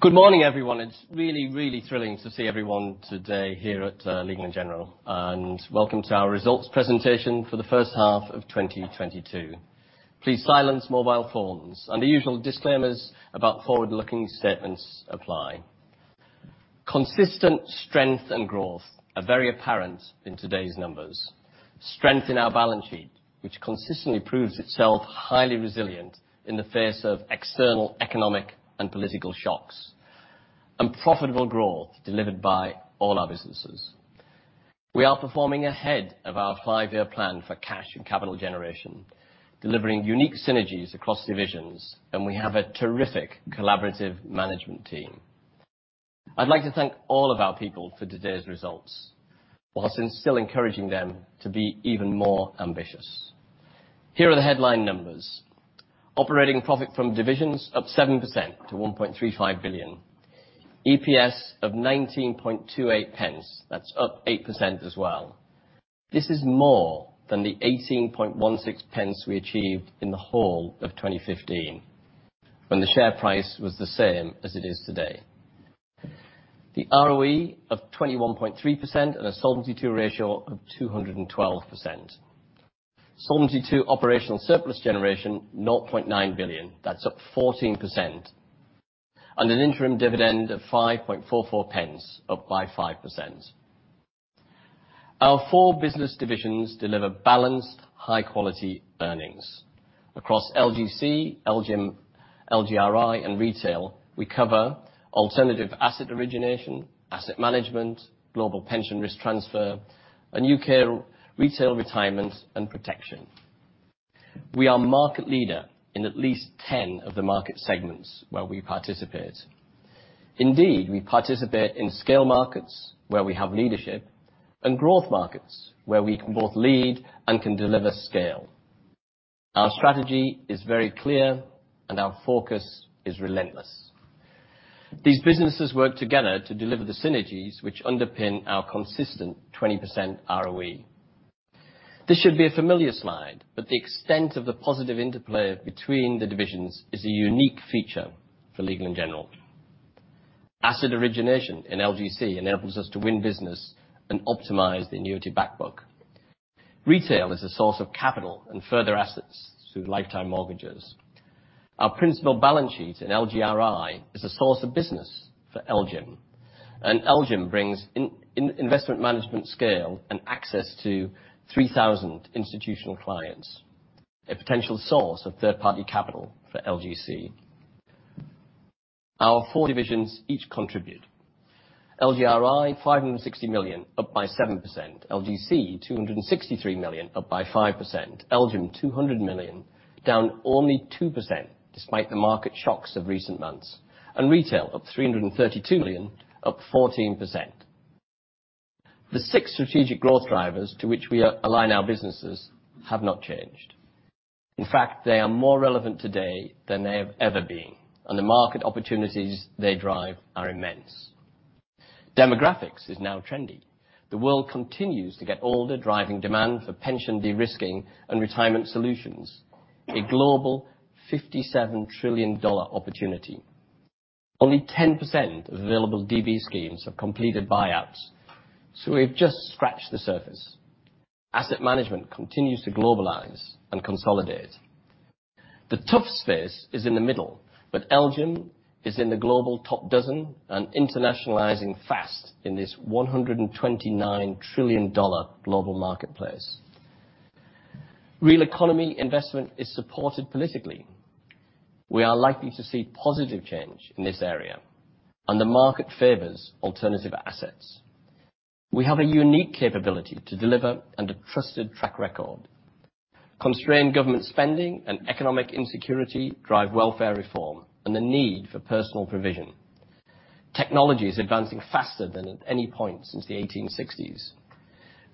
Good morning, everyone. It's really, really thrilling to see everyone today here at Legal & General. Welcome to our results presentation for the first half of 2022. Please silence mobile phones, and the usual disclaimers about forward-looking statements apply. Consistent strength and growth are very apparent in today's numbers. Strength in our balance sheet, which consistently proves itself highly resilient in the face of external economic and political shocks, and profitable growth delivered by all our businesses. We are performing ahead of our 5-year plan for cash and capital generation, delivering unique synergies across divisions, and we have a terrific collaborative management team. I'd like to thank all of our people for today's results, while still encouraging them to be even more ambitious. Here are the headline numbers. Operating profit from divisions up 7% to 1.35 billion. EPS of 19.28 pence. That's up 8% as well. This is more than the 18.16 pence we achieved in the whole of 2015, when the share price was the same as it is today. The ROE of 21.3% and a Solvency II ratio of 212%. Solvency II operational surplus generation 0.9 billion. That's up 14%. An interim dividend of 5.44 pence, up by 5%. Our four business divisions deliver balanced, high-quality earnings. Across LGC, LGIM, LGRI, and Retail, we cover alternative asset origination, asset management, global pension risk transfer, and U.K. Retail Retirement and Protection. We are the market leader in at least ten of the market segments where we participate. Indeed, we participate in scale markets, where we have leadership, and growth markets, where we can both lead and deliver scale. Our strategy is very clear and our focus is relentless. These businesses work together to deliver the synergies which underpin our consistent 20% ROE. This should be a familiar slide, but the extent of the positive interplay between the divisions is a unique feature for Legal & General. Asset origination in LGC enables us to win business and optimize the annuity back book. Retail is a source of capital and further assets through lifetime mortgages. Our principal balance sheet in LGRI is a source of business for LGIM, and LGIM brings investment management scale and access to 3,000 institutional clients, a potential source of third-party capital for LGC. Our four divisions each contribute. LGRI, 560 million, up by 7%. LGC, 263 million, up by 5%. LGIM, 200 million, down only 2%, despite the market shocks of recent months. Retail, up 332 million, up 14%. The six strategic growth drivers to which we align our businesses have not changed. In fact, they are more relevant today than they have ever been, and the market opportunities they drive are immense. Demographics is now trendy. The world continues to get older, driving demand for pension de-risking and retirement solutions, a global $57 trillion opportunity. Only 10% of available DB schemes have completed buyouts, so we've just scratched the surface. Asset management continues to globalize and consolidate. The tough space is in the middle, but LGIM is in the global top dozen and internationalizing fast in this $129 trillion global marketplace. Real economy investment is supported politically. We are likely to see positive change in this area, and the market favors alternative assets. We have a unique capability to deliver and a trusted track record. Constrained government spending and economic insecurity drive welfare reform and the need for personal provision. Technology is advancing faster than at any point since the 1860s.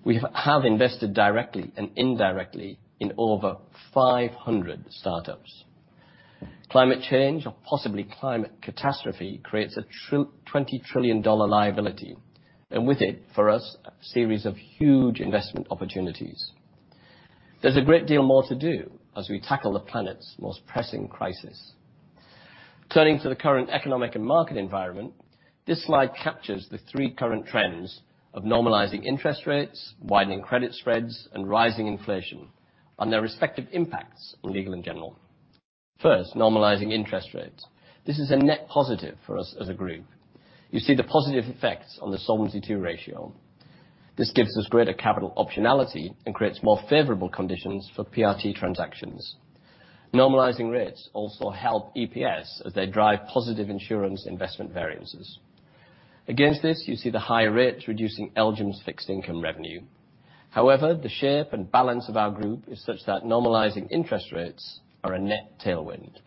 We have invested directly and indirectly in over 500 startups. Climate change or possibly climate catastrophe creates a $20 trillion liability, and with it, for us, a series of huge investment opportunities. There's a great deal more to do as we tackle the planet's most pressing crisis. Turning to the current economic and market environment, this slide captures the three current trends of normalizing interest rates, widening credit spreads, and rising inflation and their respective impacts on Legal & General. First, normalizing interest rates. This is a net positive for us as a group. You see the positive effects on the Solvency II ratio. This gives us greater capital optionality and creates more favorable conditions for PRT transactions. Normalizing rates also helps EPS as they drive positive insurance investment variances. Against this, you see the higher rates reducing LGIM's fixed income revenue. However, the shape and balance of our group is such that normalizing interest rates is a net tailwind.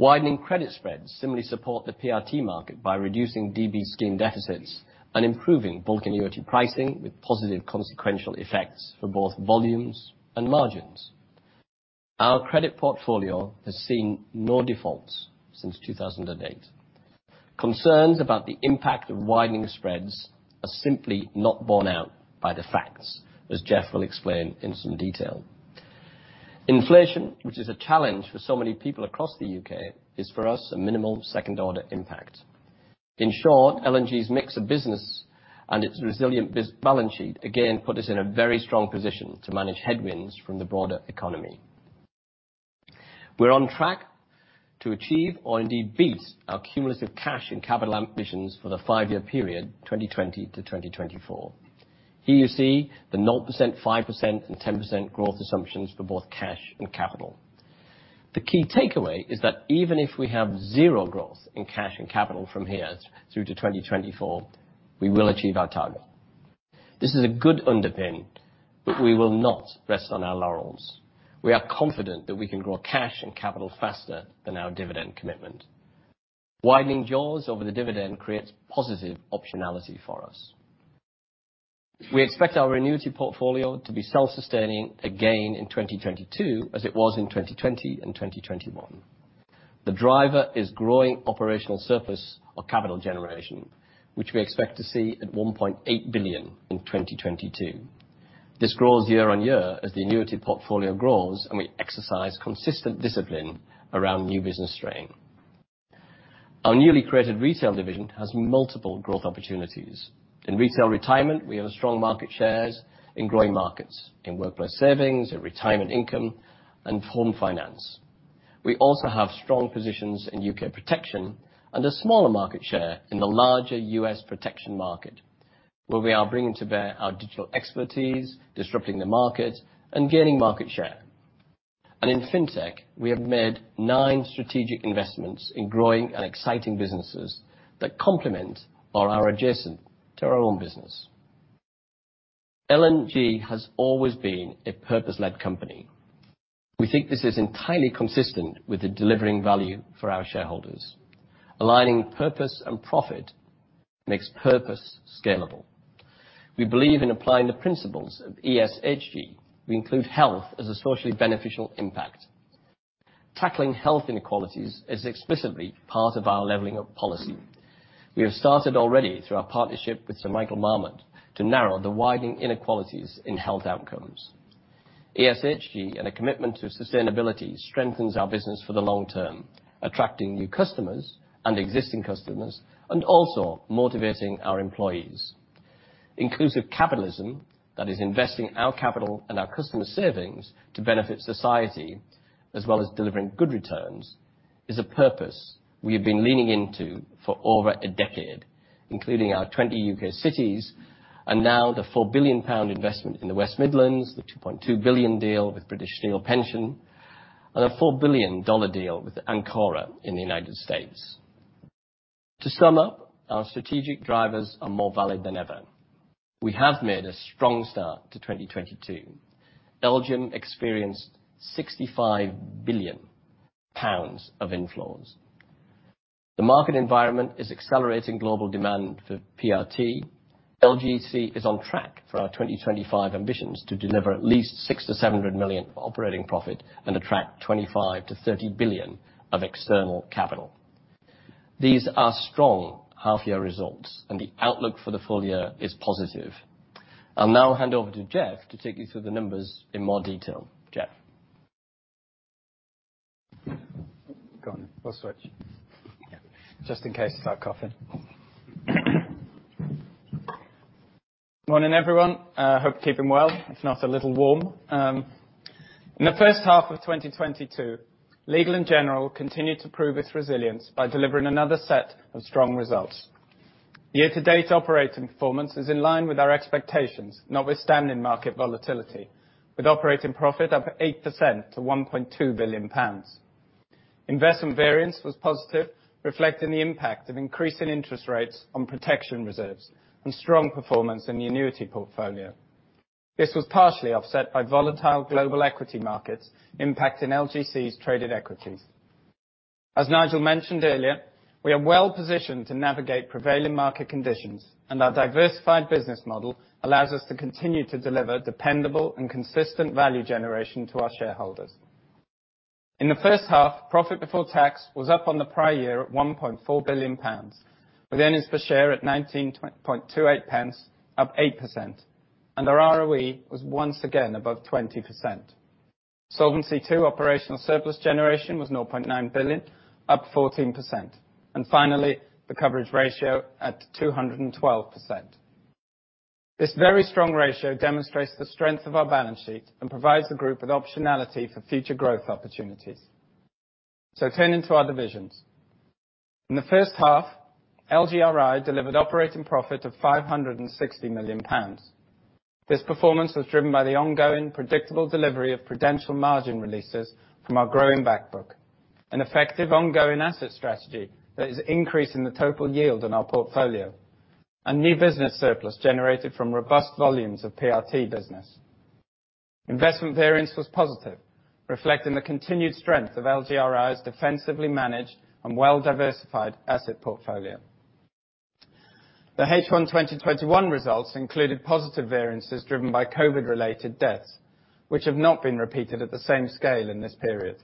Widening credit spreads similarly support the PRT market by reducing DB scheme deficits and improving bulk annuity pricing with positive consequential effects for both volumes and margins. Our credit portfolio has seen no defaults since 2008. Concerns about the impact of widening spreads are simply not borne out by the facts, as Jeff will explain in some detail. Inflation, which is a challenge for so many people across the U.K., has a minimal second-order impact on us. In short, L&G's mix of business and its resilient business balance sheet again put us in a very strong position to manage headwinds from the broader economy. We're on track to achieve or indeed beat our cumulative cash and capital ambitions for the 5-year period, 2020 to 2024. Here you see the 0%, 5%, and 10% growth assumptions for both cash and capital. The key takeaway is that even if we have zero growth in cash and capital from here through to 2024, we will achieve our target. This is a good underpin, but we will not rest on our laurels. We are confident that we can grow cash and capital faster than our dividend commitment. Widening jaws over the dividend creates positive optionality for us. We expect our annuity portfolio to be self-sustaining again in 2022, as it was in 2020 and 2021. The driver is growing operational surplus or capital generation, which we expect to see at 1.8 billion in 2022. This grows year on year as the annuity portfolio grows, and we exercise consistent discipline around new business strain. Our newly created retail division has multiple growth opportunities. In Retail Retirement, we have strong market shares in growing markets, in workplace savings, in retirement income, and in home finance. We also have strong positions in the U.K. Protection and a smaller market share in the larger U.S. Protection market, where we are bringing to bear our digital expertise, disrupting the market, and gaining market share. In Fintech, we have made nine strategic investments in growing and exciting businesses that complement or are adjacent to our own business. L&G has always been a purpose-led company. We think this is entirely consistent with the delivering value for our shareholders. Aligning purpose and profit makes purpose scalable. We believe in applying the principles of ESG. We include health as a socially beneficial impact. Tackling health inequalities is explicitly part of our levelling-up policy. We have started already through our partnership with Sir Michael Marmot to narrow the widening inequalities in health outcomes. ESG and a commitment to sustainability strengthens our business for the long term, attracting new customers and existing customers, and also motivating our employees. Inclusive capitalism, that is investing our capital and our customer savings to benefit society as well as delivering good returns, is a purpose we have been leaning into for over a decade, including our 20 U.K. cities and now the 4 billion pound investment in the West Midlands, the 2.2 billion deal with British Steel Pension, and a $4 billion deal with Ancora in the United States. To sum up, our strategic drivers are more valid than ever. We have made a strong start to 2022. LGIM experienced GBP 65 billion of inflows. The market environment is accelerating global demand for PRT. LGC is on track for our 2025 ambitions to deliver at least 600 million-700 million of operating profit and attract 25 billion-30 billion of external capital. These are strong half-year results, and the outlook for the full year is positive. I'll now hand over to Jeff to take you through the numbers in more detail. Jeff? Go on. We'll switch, just in case I start coughing. Morning, everyone. Hope you're keeping well, if not a little warm. In the first half of 2022, Legal & General continued to prove its resilience by delivering another set of strong results. Year-to-date operating performance is in line with our expectations, notwithstanding market volatility, with operating profit up 8% to 1.2 billion pounds. Investment variance was positive, reflecting the impact of increasing interest rates on protection reserves and strong performance in the annuity portfolio. This was partially offset by volatile global equity markets impacting LGC's traded equities. As Nigel mentioned earlier, we are well-positioned to navigate prevailing market conditions, and our diversified business model allows us to continue to deliver dependable and consistent value generation to our shareholders. In the first half, profit before tax was up on the prior year at 1.4 billion pounds, with earnings per share at 19.28 pence, up 8%, and our ROE was once again above 20%. Solvency II operational surplus generation was 0.9 billion, up 14%. Finally, the coverage ratio at 212%. This very strong ratio demonstrates the strength of our balance sheet and provides the group with optionality for future growth opportunities. Turning to our divisions. In the first half, LGRI delivered an operating profit of 560 million pounds. This performance was driven by the ongoing predictable delivery of prudential margin releases from our growing back book, an effective ongoing asset strategy that is increasing the total yield on our portfolio. A new business surplus was generated from robust volumes of PRT business. Investment variance was positive, reflecting the continued strength of LGRI's defensively managed and well-diversified asset portfolio. The H1 2021 results included positive variances driven by COVID-related deaths, which have not been repeated at the same scale in this period.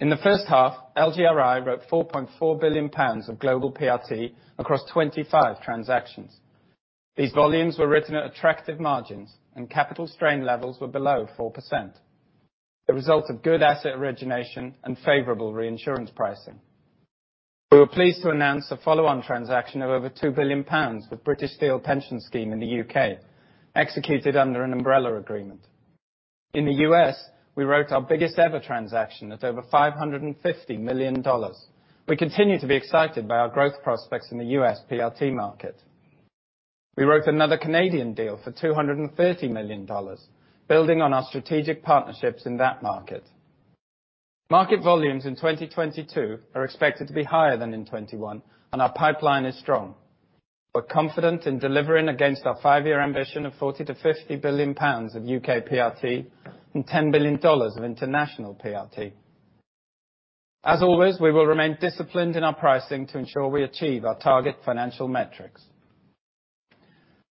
In the first half, LGRI wrote 4.4 billion pounds of global PRT across 25 transactions. These volumes were written at attractive margins, and capital strain levels were below 4%, the result of good asset origination and favorable reinsurance pricing. We were pleased to announce a follow-on transaction of over 2 billion pounds with British Steel Pension Scheme in the U.K., executed under an umbrella agreement. In the U.S., we wrote our biggest ever transaction at over $550 million. We continue to be excited by our growth prospects in the U.S. PRT market. We wrote another Canadian deal for 230 million dollars, building on our strategic partnerships in that market. Market volumes in 2022 are expected to be higher than in 2021, and our pipeline is strong. We're confident in delivering against our 5-year ambition of 40 billion-50 billion pounds of U.K. PRT and $10 billion of international PRT. As always, we will remain disciplined in our pricing to ensure we achieve our target financial metrics.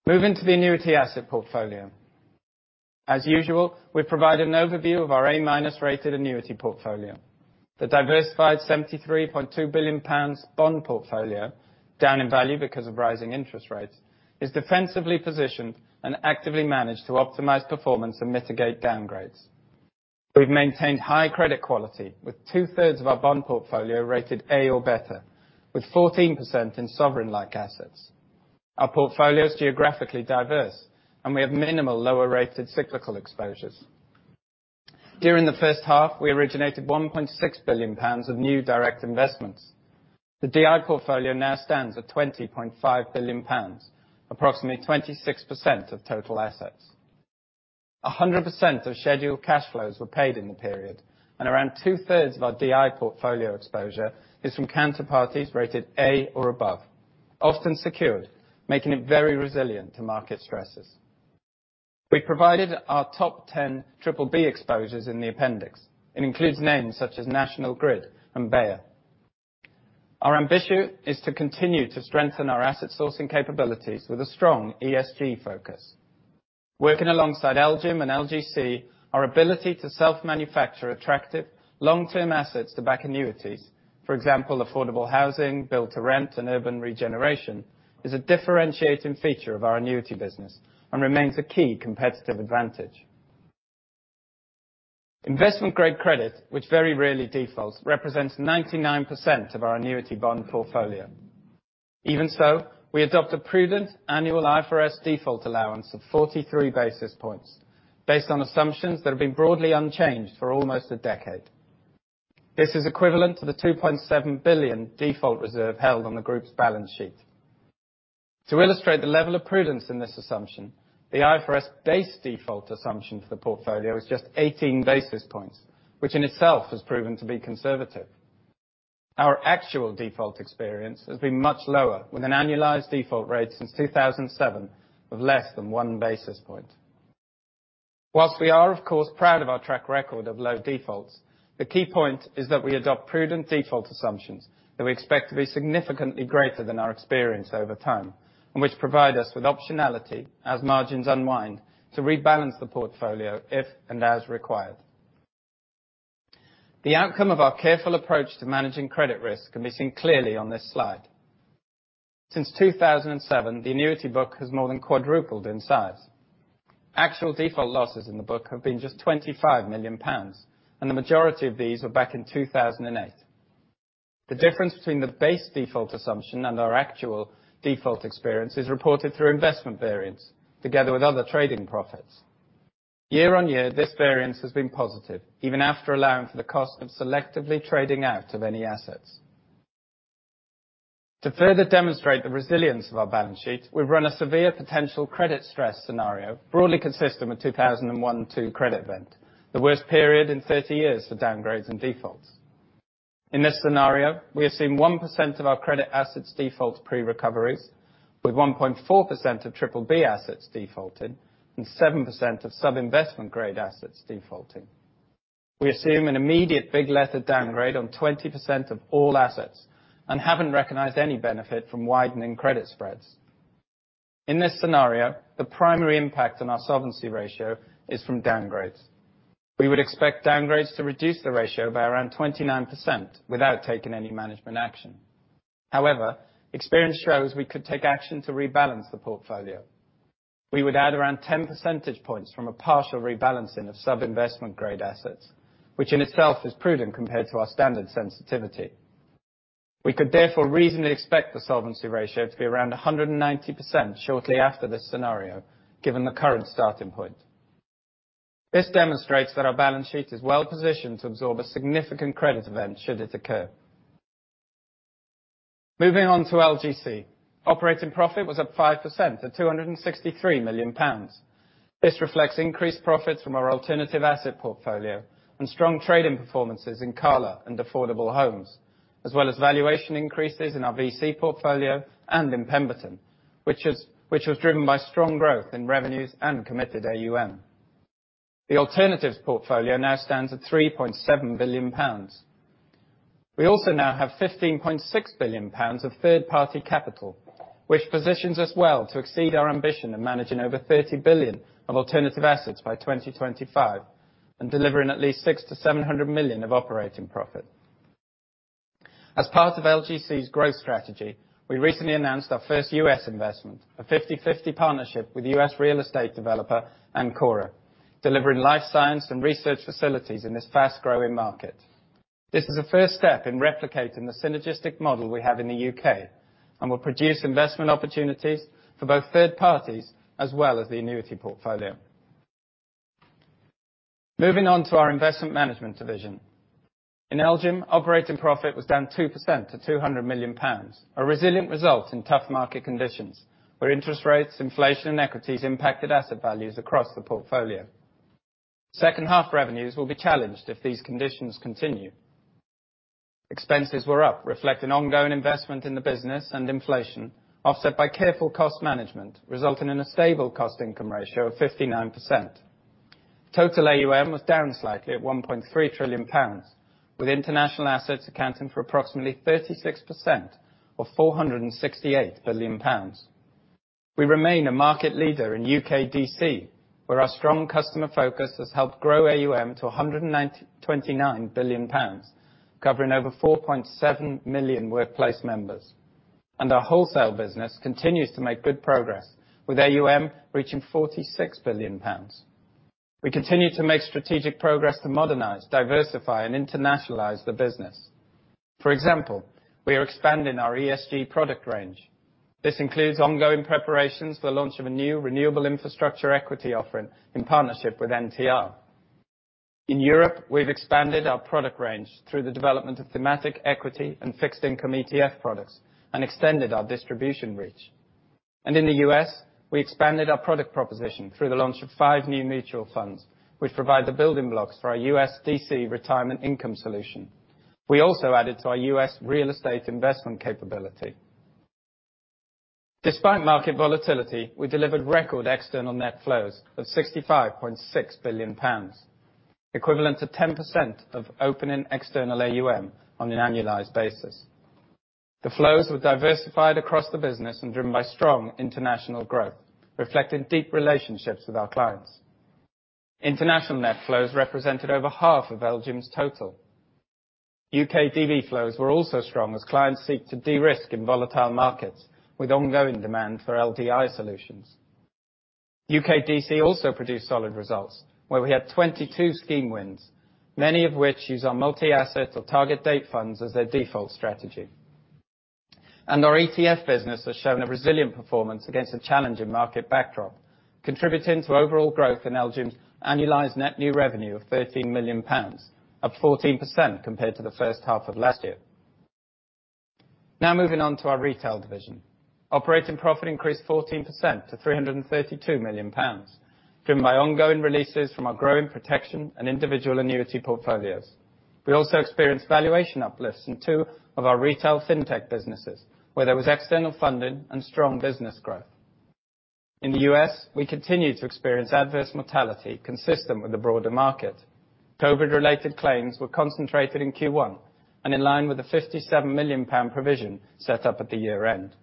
Moving to the annuity asset portfolio. As usual, we provide an overview of our A-minus rated annuity portfolio. The diversified 73.2 billion pounds bond portfolio, down in value because of rising interest rates, is defensively positioned and actively managed to optimize performance and mitigate downgrades. We've maintained high credit quality with two-thirds of our bond portfolio rated A or better, with 14% in sovereign-like assets. Our portfolio is geographically diverse, and we have minimal lower-rated cyclical exposures. During the first half, we originated 1.6 billion pounds of new direct investments. The DI portfolio now stands at 20.5 billion pounds, approximately 26% of total assets. 100% of scheduled cash flows were paid in the period, and around two-thirds of our DI portfolio exposure is from counterparties rated A or above, often secured, making it very resilient to market stresses. We provided our top 10 triple B exposures in the appendix. It includes names such as National Grid and Bayer. Our ambition is to continue to strengthen our asset sourcing capabilities with a strong ESG focus. Working alongside LGIM and LGC, our ability to self-manufacture attractive long-term assets to back annuities, for example, affordable housing built to rent and urban regeneration, is a differentiating feature of our annuity business and remains a key competitive advantage. Investment-grade credit, which very rarely defaults, represents 99% of our annuity bond portfolio. Even so, we adopt a prudent annual IFRS default allowance of 43 basis points based on assumptions that have been broadly unchanged for almost a decade. This is equivalent to the 2.7 billion default reserve held on the Group's balance sheet. To illustrate the level of prudence in this assumption, the IFRS base default assumption for the portfolio is just 18 basis points, which in itself has proven to be conservative. Our actual default experience has been much lower, with an annualized default rate since 2007 of less than one basis point. While we are, of course, proud of our track record of low defaults, the key point is that we adopt prudent default assumptions that we expect to be significantly greater than our experience over time, and which provide us with optionality as margins unwind to rebalance the portfolio if and as required. The outcome of our careful approach to managing credit risk can be seen clearly on this slide. Since 2007, the annuity book has more than quadrupled in size. Actual default losses in the book have been just 25 million pounds, and the majority of these were back in 2008. The difference between the base default assumption and our actual default experience is reported through investment variance together with other trading profits. Year-on-year, this variance has been positive even after allowing for the cost of selectively trading out of any assets. To further demonstrate the resilience of our balance sheet, we've run a severe potential credit stress scenario broadly consistent with 2001-2 credit event, the worst period in 30 years for downgrades and defaults. In this scenario, we assume 1% of our credit assets default pre-recoveries, with 1.4% of triple-B assets defaulted and 7% of sub-investment grade assets defaulting. We assume an immediate big letter downgrade on 20% of all assets and haven't recognized any benefit from widening credit spreads. In this scenario, the primary impact on our solvency ratio is from downgrades. We would expect downgrades to reduce the ratio by around 29% without taking any management action. However, experience shows we could take action to rebalance the portfolio. We would add around 10% points from a partial rebalancing of sub-investment grade assets, which in itself is prudent compared to our standard sensitivity. We could therefore reasonably expect the solvency ratio to be around 190% shortly after this scenario, given the current starting point. This demonstrates that our balance sheet is well positioned to absorb a significant credit event should it occur. Moving on to LGC. Operating profit was up 5% at 263 million pounds. This reflects increased profits from our alternative asset portfolio and strong trading performances in CALA and Affordable Homes, as well as valuation increases in our VC portfolio and in Pemberton, which was driven by strong growth in revenues and committed AUM. The alternatives portfolio now stands at 3.7 billion pounds. We also now have 15.6 billion pounds of third-party capital, which positions us well to exceed our ambition in managing over 30 billion of alternative assets by 2025, and delivering at least 600 million-700 million of operating profit. As part of LGC's growth strategy, we recently announced our first U.S. investment, a 50-50 partnership with U.S. real estate developer Ancora, delivering life science and research facilities in this fast-growing market. This is the first step in replicating the synergistic model we have in the U.K., and will produce investment opportunities for both third parties as well as the annuity portfolio. Moving on to our investment management division. In LGIM, operating profit was down 2% to 200 million pounds. A resilient result in tough market conditions, where interest rates, inflation, and equities impacted asset values across the portfolio. Second half revenues will be challenged if these conditions continue. Expenses were up, reflecting ongoing investment in the business and inflation, offset by careful cost management, resulting in a stable cost income ratio of 59%. Total AUM was down slightly at 1.3 trillion pounds, with international assets accounting for approximately 36% of 468 billion pounds. We remain a market leader in U.K. DC, where our strong customer focus has helped grow AUM to 109-129 billion pounds, covering over 4.7 million workplace members. Our wholesale business continues to make good progress, with AUM reaching 46 billion pounds. We continue to make strategic progress to modernize, diversify, and internationalize the business. For example, we are expanding our ESG product range. This includes ongoing preparations for the launch of a new renewable infrastructure equity offering in partnership with NTR. In Europe, we've expanded our product range through the development of thematic equity and fixed income ETF products, and extended our distribution reach. In the U.S., we expanded our product proposition through the launch of 5 new mutual funds, which provide the building blocks for our U.S., DC retirement income solution. We also added to our U.S. real estate investment capability. Despite market volatility, we delivered record external net flows of 65.6 billion pounds, equivalent to 10% of opening external AUM on an annualized basis. The flows were diversified across the business and driven by strong international growth, reflecting deep relationships with our clients. International net flows represented over half of LGIM's total. U.K. DB flows were also strong as clients seek to de-risk in volatile markets, with ongoing demand for LDI solutions. U.K. DC also produced solid results where we had 22 scheme wins, many of which use our multi-asset or target date funds as their default strategy. Our ETF business has shown a resilient performance against a challenging market backdrop, contributing to overall growth in LGIM's annualized net new revenue of 13 million pounds, up 14% compared to the first half of last year. Now moving on to our retail division. Operating profit increased 14% to 332 million pounds, driven by ongoing releases from our growing protection and individual annuity portfolios. We also experienced valuation uplifts in two of our retail fintech businesses, where there was external funding and strong business growth. In the U.S., we continue to experience adverse mortality consistent with the broader market. COVID-related claims were concentrated in Q1, and in line with the 57 million pound provision set up at the year-end.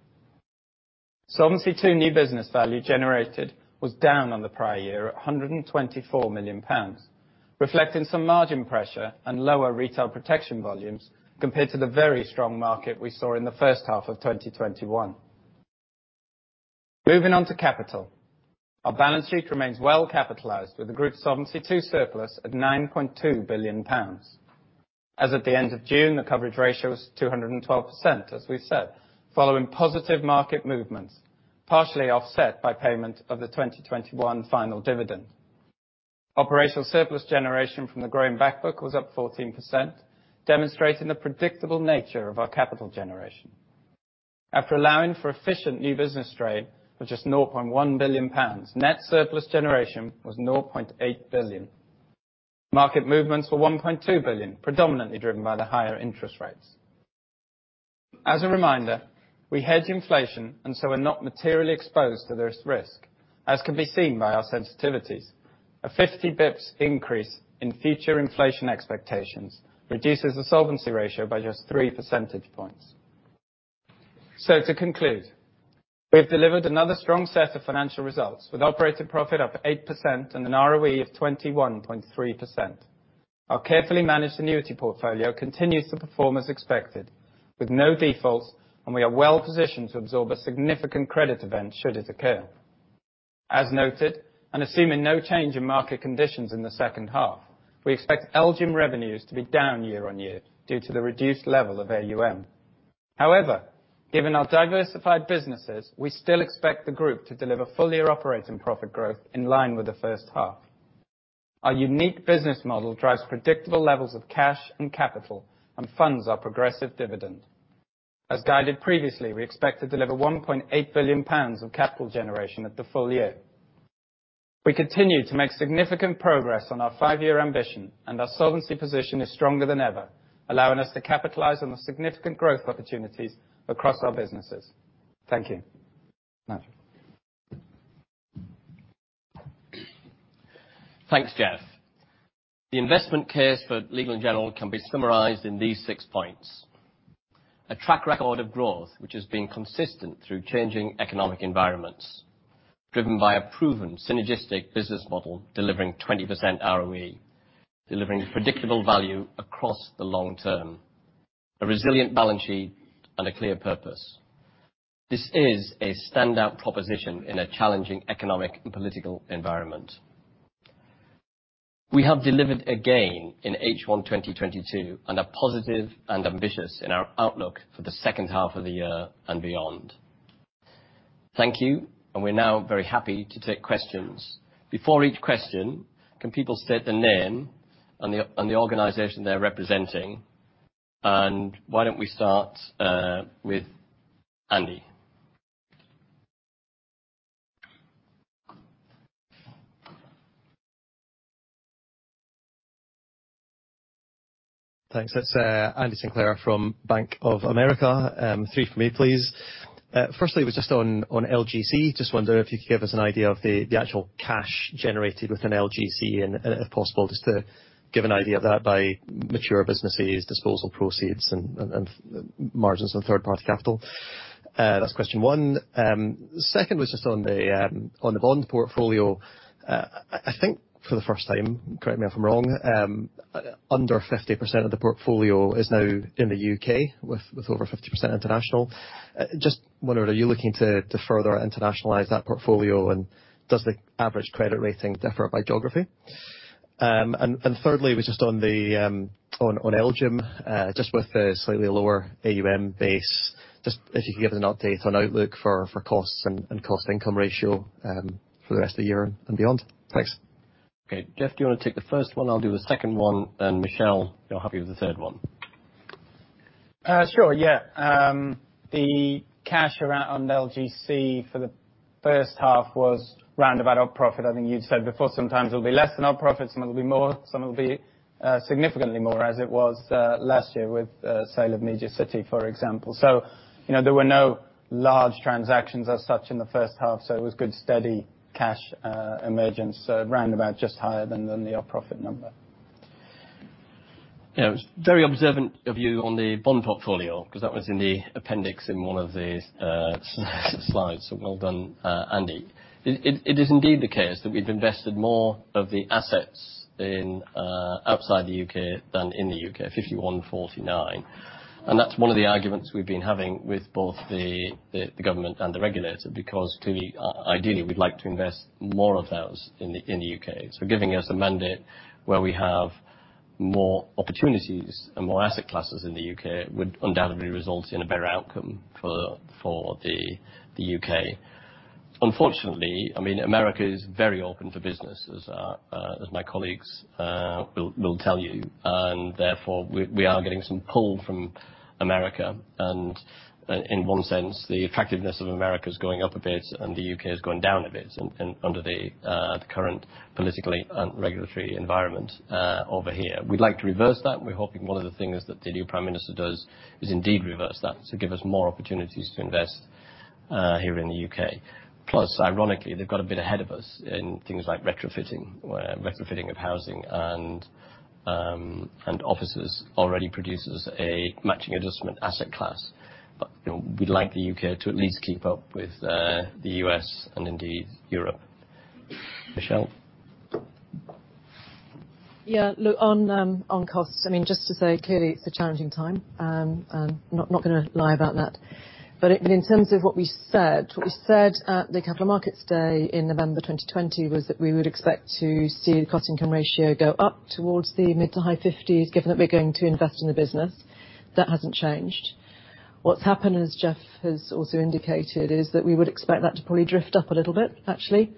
Solvency II new business value generated was down on the prior year at 124 million pounds, reflecting some margin pressure and lower retail protection volumes compared to the very strong market we saw in the first half of 2021. Moving on to capital. Our balance sheet remains well capitalized, with the group Solvency II surplus at 9.2 billion pounds. As at the end of June, the coverage ratio was 212%, as we've said, following positive market movements, partially offset by payment of the 2021 final dividend. Operational surplus generation from the growing back book was up 14%, demonstrating the predictable nature of our capital generation. After allowing for efficient new business strain of just 0.1 billion pounds, net surplus generation was 0.8 billion. Market movements were 1.2 billion, predominantly driven by the higher interest rates. As a reminder, we hedge inflation and so are not materially exposed to this risk, as can be seen by our sensitivities. A 50 basis points increase in future inflation expectations reduces the solvency ratio by just three percentage points. To conclude, we have delivered another strong set of financial results, with operating profit up 8% and an ROE of 21.3%. Our carefully managed annuity portfolio continues to perform as expected, with no defaults, and we are well positioned to absorb a significant credit event should it occur. As noted, assuming no change in market conditions in the second half, we expect LGIM revenues to be down year-over-year due to the reduced level of AUM. However, given our diversified businesses, we still expect the group to deliver full-year operating profit growth in line with the first half. Our unique business model drives predictable levels of cash and capital, and funds our progressive dividend. As guided previously, we expect to deliver 1.8 billion pounds of capital generation at the full year. We continue to make significant progress on our 5-year ambition, and our solvency position is stronger than ever, allowing us to capitalize on the significant growth opportunities across our businesses. Thank you. Nigel? Thanks, Jeff. The investment case for Legal & General can be summarized in these six points. A track record of growth which has been consistent through changing economic environments, driven by a proven synergistic business model, delivering 20% ROE, delivering predictable value across the long term, a resilient balance sheet and a clear purpose. This is a standout proposition in a challenging economic and political environment. We have delivered again in H1 2022 and are positive and ambitious in our outlook for the second half of the year and beyond. Thank you. We're now very happy to take questions. Before each question, can people state their name and the organization they're representing. Why don't we start with Andy. Thanks. It's Andy Sinclair from Bank of America. Three for me, please. Firstly, it was just on LGC. Just wonder if you could give us an idea of the actual cash generated within LGC, and if possible, just to give an idea of that by mature businesses, disposal proceeds, and margins on third party capital. That's question one. Second was just on the bond portfolio. I think for the first time, correct me if I'm wrong, under 50% of the portfolio is now in the U.K., with over 50% international. Just wondering, are you looking to further internationalize that portfolio? And does the average credit rating differ by geography? Thirdly was just on LGIM. Just with the slightly lower AUM base, just if you could give us an update on outlook for costs and cost income ratio, for the rest of the year and beyond. Thanks. Okay, Jeff, do you wanna take the first one? I'll do the second one, then Michelle, you're happy with the third one. Sure, yeah. The cash around LGC for the first half was round about our profit. I think you'd said before, sometimes it'll be less than our profit, sometimes it'll be more, some will be significantly more, as it was last year with sale of MediaCityUK, for example. There were no large transactions as such in the first half, so it was good, steady cash emergence. Round about, just higher than the profit number. It was very observant of you on the bond portfolio 'cause that was in the appendix in one of the slides. Well done, Andy. It is indeed the case that we've invested more of the assets in outside the U.K. than in the U.K., 51-49. That's one of the arguments we've been having with both the government and the regulator, because clearly, ideally we'd like to invest more of those in the U.K. Giving us a mandate where we have more opportunities and more asset classes in the U.K. would undoubtedly result in a better outcome for the U.K. Unfortunately, I mean, America is very open for business as my colleagues will tell you. Therefore we are getting some pull from America and in one sense, the attractiveness of America is going up a bit and the U.K. is going down a bit under the current political and regulatory environment over here. We'd like to reverse that. We're hoping one of the things that the new prime minister does is indeed reverse that, to give us more opportunities to invest here in the U.K. Plus, ironically, they've got a bit ahead of us in things like retrofitting, where retrofitting of housing and offices already produces a matching adjustment asset class. we'd like the U.K. to at least keep up with the U.S. and indeed Europe. Michelle. Look, on costs. I mean, just to say, clearly it's a challenging time. I'm not going to lie about that. In terms of what we said. What we said at the Capital Markets Event in November 2020 was that we would expect to see the cost income ratio go up towards the mid- to high-50s%, given that we're going to invest in the business. That hasn't changed. What's happened is, Jeff has also indicated, is that we would expect that to probably drift up a little bit actually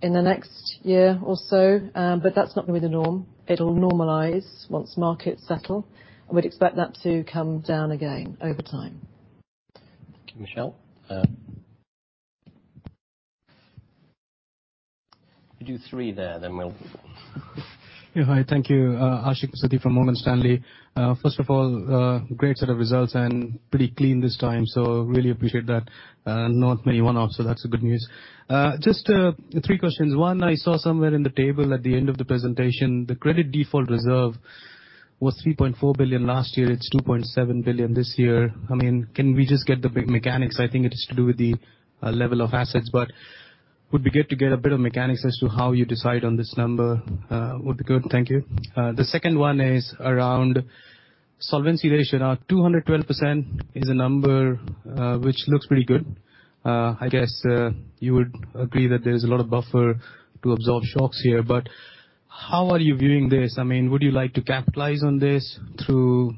in the next year or so. That's not gonna be the norm. It'll normalize once markets settle, and we'd expect that to come down again over time. Thank you, Michelle. We do three there, then we'll Hi. Thank you. Ashik Musaddi from Morgan Stanley. First of all, great set of results and pretty clean this time, I really appreciate that. Not many one-offs, so that's good news. Just three questions. One, I saw somewhere in the table at the end of the presentation that the credit default reserve was 3.4 billion last year. It's 2.7 billion this year. I mean, can we just get the big mechanics? I think it has to do with the level of assets. But would be good to get a bit of mechanics as to how you decide on this number, would be good. Thank you. The second one is around the solvency ratio. Now, 212% is a number, which looks pretty good. I guess you would agree that there is a lot of buffer to absorb shocks here, but how are you viewing this? I mean, would you like to capitalize on this through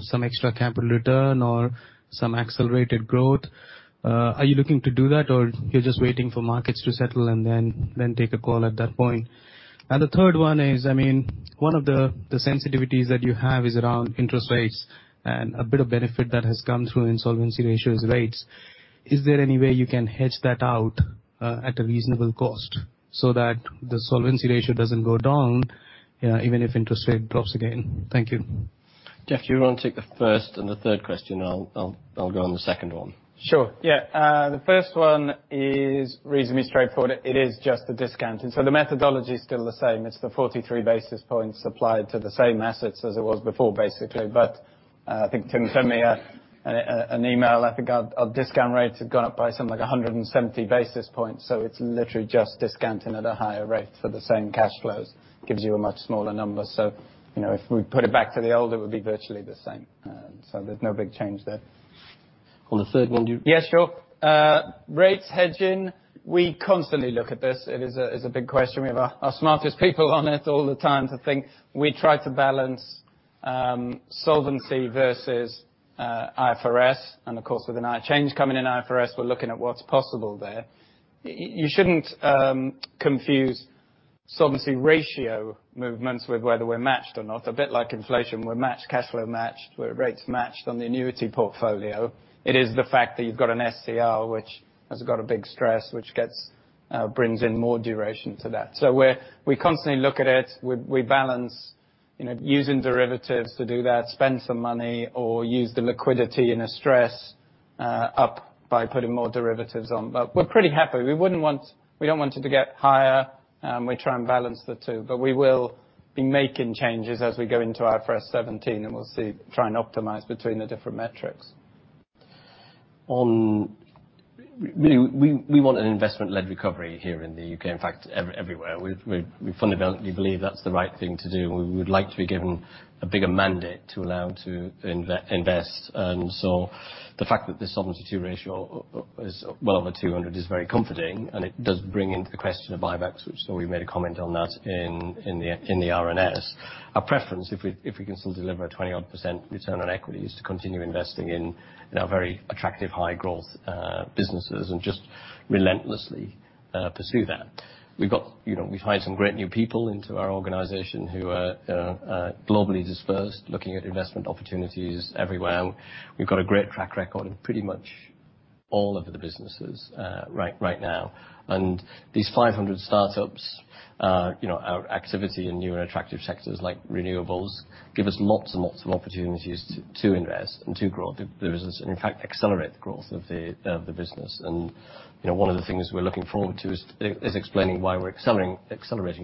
some extra capital return or some accelerated growth? Are you looking to do that or you're just waiting for markets to settle and then take a call at that point? The third one is, I mean, one of the sensitivities that you have is around interest rates and a bit of benefit that has come through in the solvency ratio is rates. Is there any way you can hedge that out? At a reasonable cost so that the solvency ratio doesn't go down, even if the interest rate drops again? Thank you. Jeff, do you wanna take the first and the third question? I'll go on the second one. Sure. The first one is reasonably straightforward. It is just a discount. The methodology is still the same. It's the 43 basis points applied to the same assets as it was before, basically. But I think Tim sent me an email. I think our discount rate had gone up by something like 170 basis points. It's literally just discounting at a higher rate for the same cash flows. Gives you a much smaller number. if we put it back to the old, it would be virtually the same. There's no big change there. On the third one. Sure. Rates hedging, we constantly look at this. It is a, it's a big question. We have our smartest people on it all the time to think. We try to balance solvency versus IFRS. Of course with change coming in IFRS, we're looking at what's possible there. You shouldn't confuse solvency ratio movements with whether we're matched or not. A bit like inflation, we're matched, cash flow matched, we're rates matched on the annuity portfolio. It is the fact that you've got an SCR, which has got a big stress, which brings in more duration to that. We constantly look at it. We balance, using derivatives to do that, spend some money or use the liquidity in a stress, up by putting more derivatives on. We're pretty happy. We wouldn't want. We don't want it to get higher. We try and balance the two. We will be making changes as we go into IFRS 17, and we'll see, try and optimize between the different metrics. We want an investment-led recovery here in the U.K. In fact, everywhere. We fundamentally believe that's the right thing to do. We would like to be given a bigger mandate to allow to invest. The fact that the Solvency II ratio is well over 200 is very comforting, and it does bring into question of buybacks, which so we made a comment on that in the RNS. Our preference, if we can still deliver a 20-odd% return on equity, is to continue investing in our very attractive high growth businesses and just relentlessly pursue that. We've hired some great new people into our organization who are globally dispersed, looking at investment opportunities everywhere. We've got a great track record in pretty much all of the businesses, right now. These 500 startups, our activity in new and attractive sectors like renewables, give us lots and lots of opportunities to invest and to grow the business, and in fact accelerate the growth of the business. One of the things we're looking forward to is explaining why we're accelerating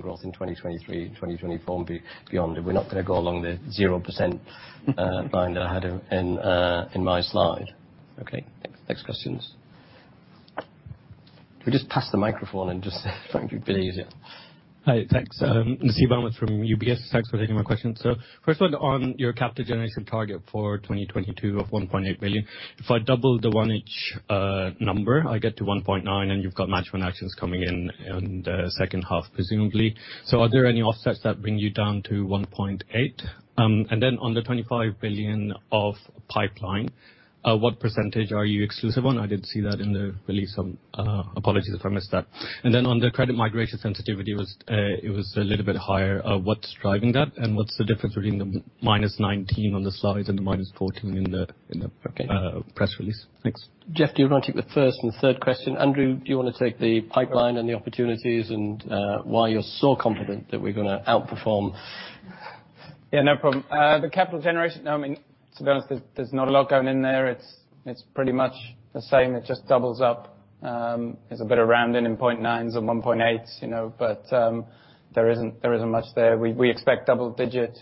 growth in 2023 and 2024 and beyond. We're not gonna go along the 0% line that I had in my slide. Okay. Next questions. Can we just pass the microphone and just try and be a bit easier? Hi. Thanks. Nasib Ahmed from UBS. Thanks for taking my question. First one, on your capital generation target for 2022 of 1.8 billion. If I double the H1 number, I get to 1.9, and you've got management actions coming in the second half, presumably. Are there any offsets that bring you down to 1.8 billion? And then on the 25 billion of pipeline, what percentage are you exclusive on? I didn't see that in the release. Apologies if I missed that. And then on the credit migration sensitivity, it was a little bit higher. What's driving that? And what's the difference between the minus 19 on the slide and the minus 14 in the- Okay press release? Thanks. Jeff, do you wanna take the first and the third question? Andrew, do you wanna take the pipeline and the opportunities and why you're so confident that we're gonna outperform? no problem. The capital generation, I mean, to be honest, there's not a lot going in there. It's pretty much the same. It just doubles up. There's a bit of rounding in 0.9s and 1.8s, but there isn't much there. We expect double-digit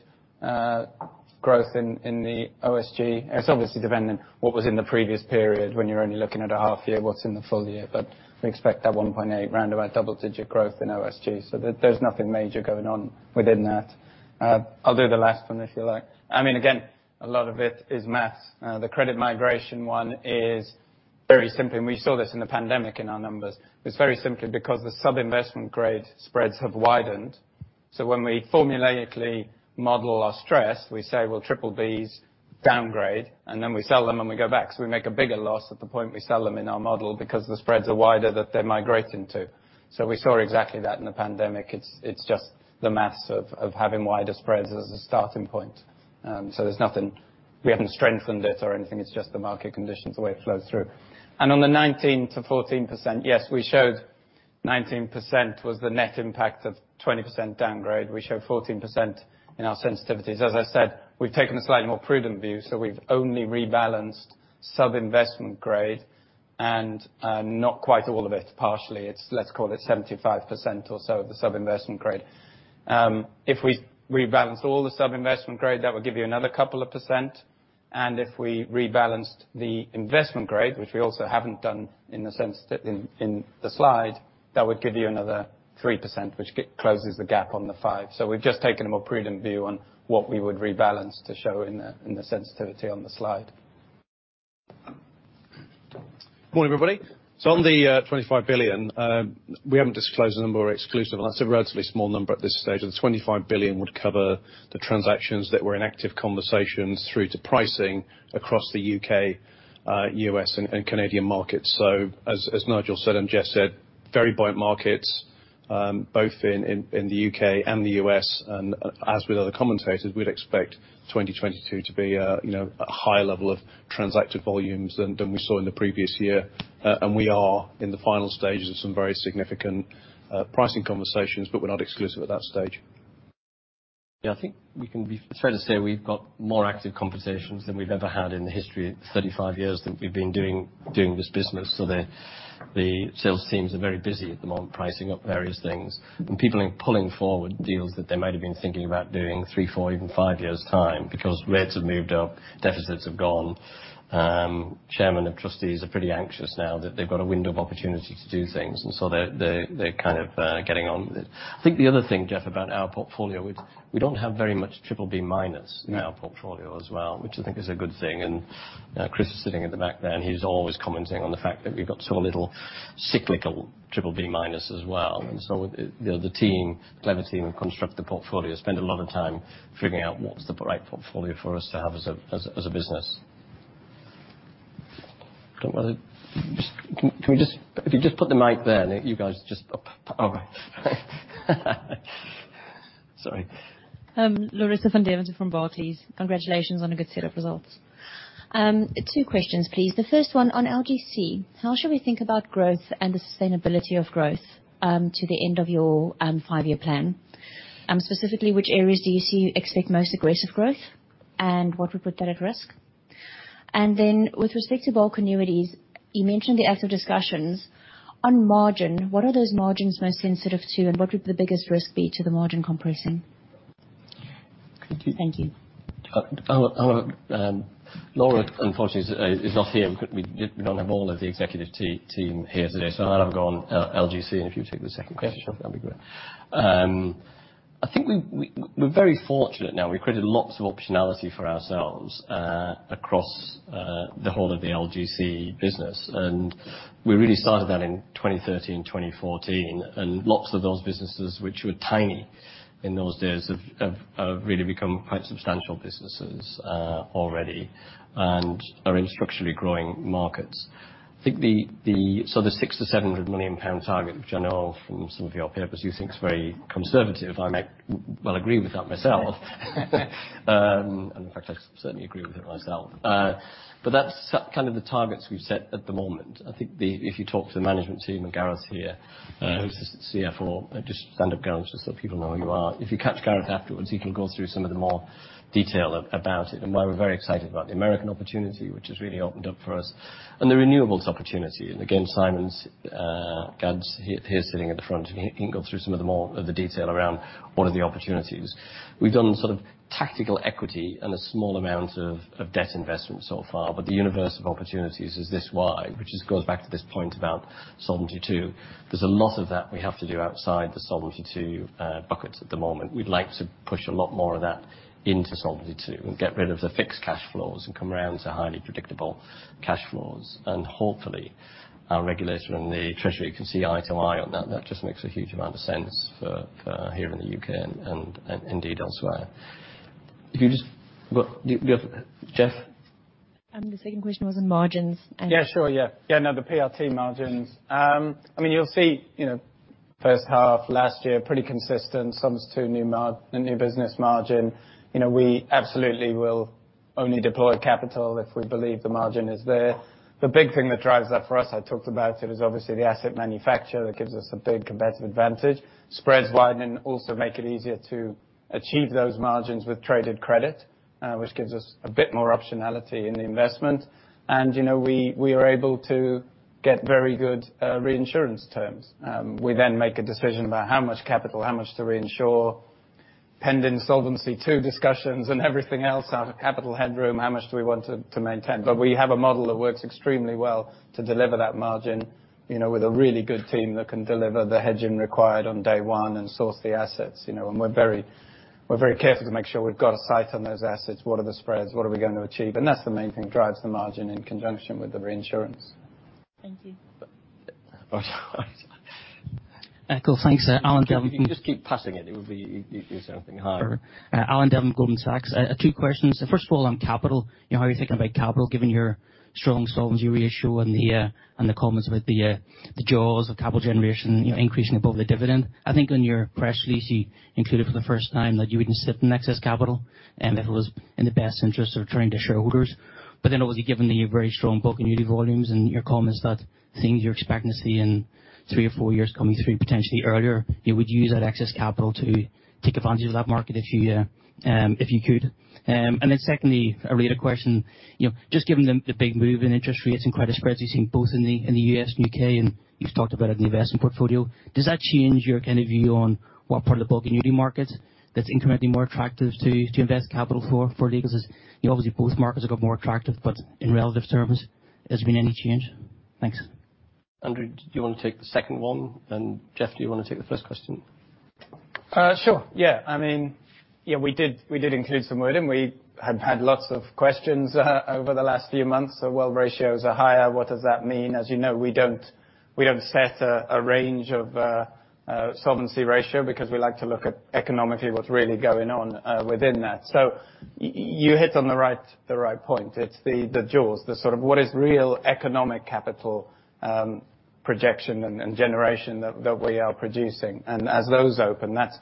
growth in the OSG. It's obviously dependent what was in the previous period when you're only looking at a half year, what's in the full year. We expect that 1.8 roundabout double-digit growth in OSG. There's nothing major going on within that. I'll do the last one if you like. I mean, again, a lot of it is math. The credit migration one is very simple, and we saw this in the pandemic in our numbers. It's very simply because the sub-investment grade spreads have widened. When we formulaically model our stress, we say, "Well, triple-Bs downgrade," and then we sell them and we go back. We make a bigger loss at the point we sell them in our model because the spreads are wider that they're migrating to. We saw exactly that in the pandemic. It's just the math of having wider spreads as a starting point. There's nothing. We haven't strengthened it or anything. It's just the market conditions, the way it flows through. On the 19%-14%, yes, we showed 19% was the net impact of 20% downgrade. We showed 14% in our sensitivities. As I said, we've taken a slightly more prudent view, so we've only rebalanced sub-investment grade and not quite all of it, partially. It's, let's call it 75% or so of the sub-investment grade. If we rebalanced all the sub-investment-grade, that would give you another couple of percent. If we rebalanced the investment grade, which we also haven't done in the sense that in the slide, that would give you another 3%, which gets close to the 5. We've just taken a more prudent view on what we would rebalance to show in the sensitivity on the slide. Morning, everybody. On the 25 billion, we haven't disclosed the number we're exclusive on. That's a relatively small number at this stage. The 25 billion would cover the transactions that were in active conversations through to pricing across the U.K., U.S., and Canadian markets. As Nigel said, and Jeff said, very buoyant markets, both in the U.K. and the U.S. As with other commentators, we'd expect 2022 to be, a higher level of transacted volumes than we saw in the previous year. We are in the final stages of some very significant pricing conversations, but we're not exclusive at that stage? I think we can be fair to say we've got more active conversations than we've ever had in the history of 35 years that we've been doing this business. The sales teams are very busy at the moment pricing up various things. People are pulling forward deals that they might have been thinking about doing 3, 4, even 5 years' time because rates have moved up, deficits have gone. Chairman of the trustees is pretty anxious now that they've got a window of opportunity to do things, and so they're kind of getting on with it. I think the other thing, Jeff, about our portfolio is we don't have very much triple B-. In our portfolio as well, which I think is a good thing. Chris is sitting at the back there, and he's always commenting on the fact that we've got so little cyclical BBB- as well. The clever team who construct the portfolio spend a lot of time figuring out what's the right portfolio for us to have as a business. Don't know whether. Just. Can we just. If you just put the mic there, and you guys just. Oh. Sorry. Larissa van Deventer from Barclays. Congratulations on a good set of results. Two questions, please. The first one on LGC. How should we think about growth and the sustainability of growth to the end of your 5-year plan? Specifically which areas do you see expect most aggressive growth, and what would put that at risk? With respect to bulk annuities, you mentioned the active discussions. On margin, what are those margins most sensitive to, and what would the biggest risk be to the margin compressing? Could you? Thank you. Laura unfortunately is not here. We don't have all of the executive team here today. I'll have a go on LGC, and if you take the second question. sure. That'd be great. I think we're very fortunate now. We've created lots of optionality for ourselves across the whole of the LGC business. We really started that in 2013, 2014. Lots of those businesses, which were tiny in those days have really become quite substantial businesses already and are in structurally growing markets. I think the 600 million-700 million pound target, which I know from some of your papers you think is very conservative, I might well agree with that myself. In fact I certainly agree with it myself. That's kind of the targets we've set at the moment. I think if you talk to the management team and Gareth here, who's the CFO. Just stand up, Gareth, just so people know who you are. If you catch Gareth afterwards, he can go through some of the more detail about it and why we're very excited about the American opportunity, which has really opened up for us, and the renewables opportunity. Again, Simon Gadd, here sitting at the front. He can go through some of the more of the detail around what are the opportunities. We've done sort of tactical equity and a small amount of debt investment so far, but the universe of opportunities is this wide, which goes back to this point about Solvency II. There's a lot of that we have to do outside the Solvency II buckets at the moment. We'd like to push a lot more of that into Solvency II and get rid of the fixed cash flows and come around to highly predictable cash flows. Hopefully, our regulator and the Treasury can see eye to eye on that. That just makes a huge amount of sense here in the U.K. and indeed elsewhere. Do you have Jeff? The second question was on margins and. Sure. no, the PRT margins. I mean, you'll see, first half, last year, pretty consistent sums to the new business margin. we absolutely will only deploy capital if we believe the margin is there. The big thing that drives that for us, I talked about it, is obviously the asset management that gives us a big competitive advantage. Spreads widening also make it easier to achieve those margins with traded credit, which gives us a bit more optionality in the investment. we are able to get very good reinsurance terms. We then make a decision about how much capital, how much to reinsure, pending Solvency II discussions and everything else out of capital headroom, how much do we want to maintain. We have a model that works extremely well to deliver that margin. with a really good team that can deliver the hedging required on day one and source the assets, you know. We're very careful to make sure we've got a sight on those assets, what are the spreads, what are we gonna achieve. That's the main thing that drives the margin in conjunction with the reinsurance. Thank you. Oh. Echo. Thanks. Alan Devlin. If you just keep passing it would be. You'll save something hard. Alan Devlin, Goldman Sachs. Two questions. First of all, on capital. how are you thinking about capital, given your strong solvency ratio and the comments about the jaws of capital generation, increasing above the dividend? I think on your press release you included for the first time that you wouldn't sit on excess capital if it was in the best interest of returning to shareholders. Obviously, given the very strong bulk annuity volumes and your comments that things you're expecting to see in three or four years coming through potentially earlier, you would use that excess capital to take advantage of that market if you could Secondly, a related question. You know, just given the big move in interest rates and credit spreads you're seeing both in the U.S. and U.K., and you've talked about it in the investment portfolio. Does that change your kind of view on what part of the bulk annuity market that's incrementally more attractive to you to invest capital for Legal's? Obviously, both markets have got more attractive, but in relative terms, has there been any change? Thanks. Andrew, do you wanna take the second one? Jeff, do you wanna take the first question? Sure. I mean, we did include some wording. We have had lots of questions over the last few months. Well, ratios are higher, what does that mean? As we don't set a range of solvency ratio because we like to look at economically what's really going on within that. You hit on the right point. It's the jaws. The sort of what is real economic capital projection and generation that we are producing. As those open, that's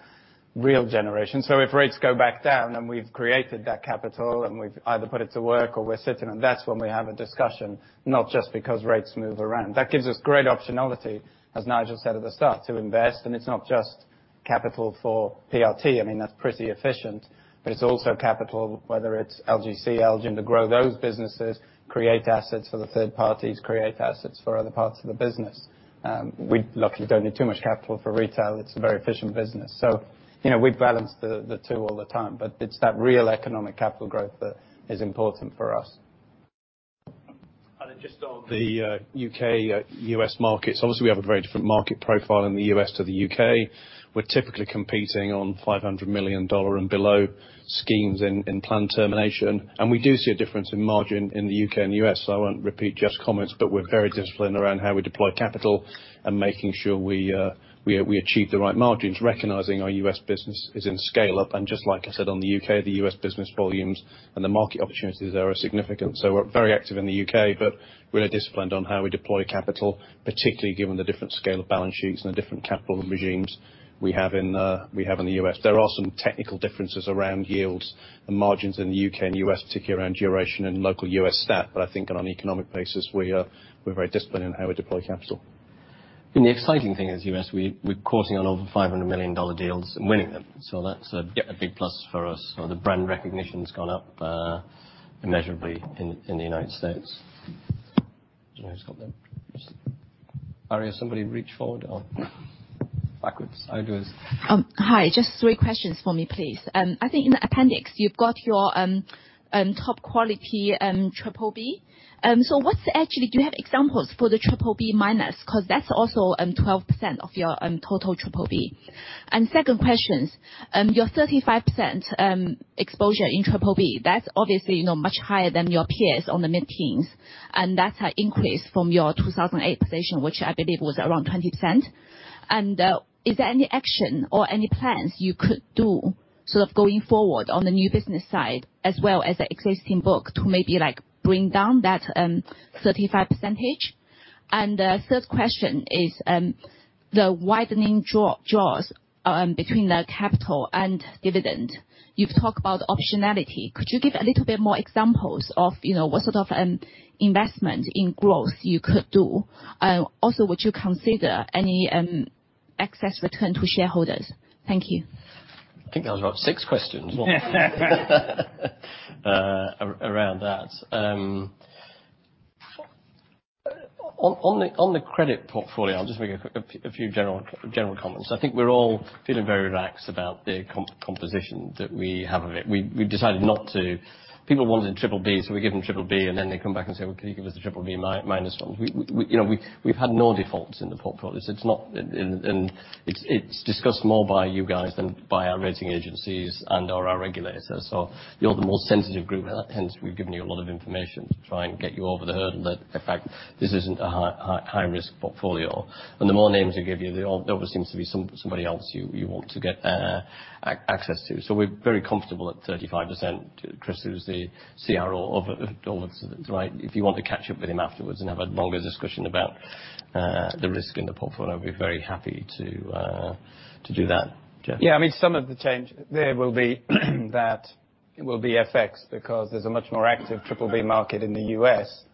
real generation. If rates go back down, and we've created that capital, and we've either put it to work or we're sitting on it, that's when we have a discussion, not just because rates move around. That gives us great optionality, as Nigel said at the start, to invest. It's not just capital for PRT, I mean, that's pretty efficient. It's also capital, whether it's LGC, LGIM, to grow those businesses, create assets for the third parties, create assets for other parts of the business. We luckily don't need too much capital for retail. It's a very efficient business. We balance the two all the time. It's that real economic capital growth that is important for us. Just on the U.K and U.S. markets. Obviously we have a very different market profile in the U.S. to the U.K. We're typically competing on $500 million and below schemes in planned termination. We do see a difference in margin in the U.K. and U.S. I won't repeat Jeff's comments, but we're very disciplined around how we deploy capital and making sure we achieve the right margins, recognizing our U.S. business is in scale-up. Just like I said in the U.K., the U.S. business volumes and the market opportunities there are significant. We're very active in the U.K., but really disciplined on how we deploy capital, particularly given the different scale of balance sheets and the different capital regimes we have in the U.S. There are some technical differences around yields and margins in the U.K. and U.S., particularly around duration and local U.S. stats. I think on an economic basis we're very disciplined in how we deploy capital. The exciting thing is U.S., we're closing on over $500 million deals and winning them. That's a big plus for us. The brand recognition's gone up immeasurably in the United States. Do you know who's got them? Sorry, somebody reach forward or backwards. I do. Hi. Just three questions for me, please. I think in the appendix you've got your top quality BBB. So, do you have examples for the BBB-? 'Cause that's also 12% of your total BBB. Second question, your 35% exposure in BBB, that's obviously much higher than your peers on the mid-teens. That's an increase from your 2008 position, which I believe was around 20%. Is there any action or any plans you could do sort of going forward on the new business side as well as the existing book to maybe, like, bring down that 35%? Third question is the widening gap between the capital and dividend. You've talked about optionality. Could you give a little bit more examples of, what sort of investment in growth you could do? Would you consider any excess return to shareholders? Thank you. I think that was about 6 questions. Around that. On the credit portfolio, I'll just make a few general comments. I think we're all feeling very relaxed about the composition that we have of it. People wanted triple B, so we give them triple B, and then they come back and say, "Well, can you give us a triple B- one?" We've had no defaults in the portfolios. It's not. It's discussed more by you guys than by our rating agencies and/or our regulators. You're the most sensitive group. Hence, we've given you a lot of information to try and get you over the hurdle that in fact this isn't a high risk portfolio. The more names we give you, there always seems to be somebody else you want to get access to. We're very comfortable at 35%. Chris, who's the CRO of Allianz, right? If you want to catch up with him afterwards and have a longer discussion about the risk in the portfolio, he'd be very happy to do that. Jeff? I mean, some of the change there will be that will be FX, because there's a much more active triple B market in the U.S..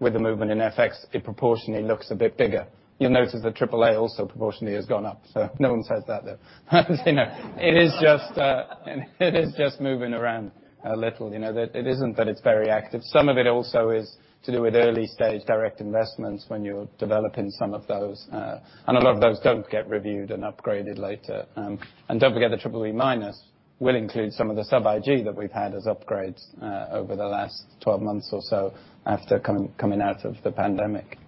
With the movement in FX, it proportionally looks a bit bigger. You'll notice the triple A also proportionally has gone up, so no one says that, though. You know. It is just moving around a little, you know. It isn't that it's very active. Some of it also is to do with early stage direct investments when you're developing some of those. A lot of those don't get reviewed and upgraded later. Don't forget, the triple B minus will include some of the sub IG that we've had as upgrades over the last 12 months or so after coming out of the pandemic.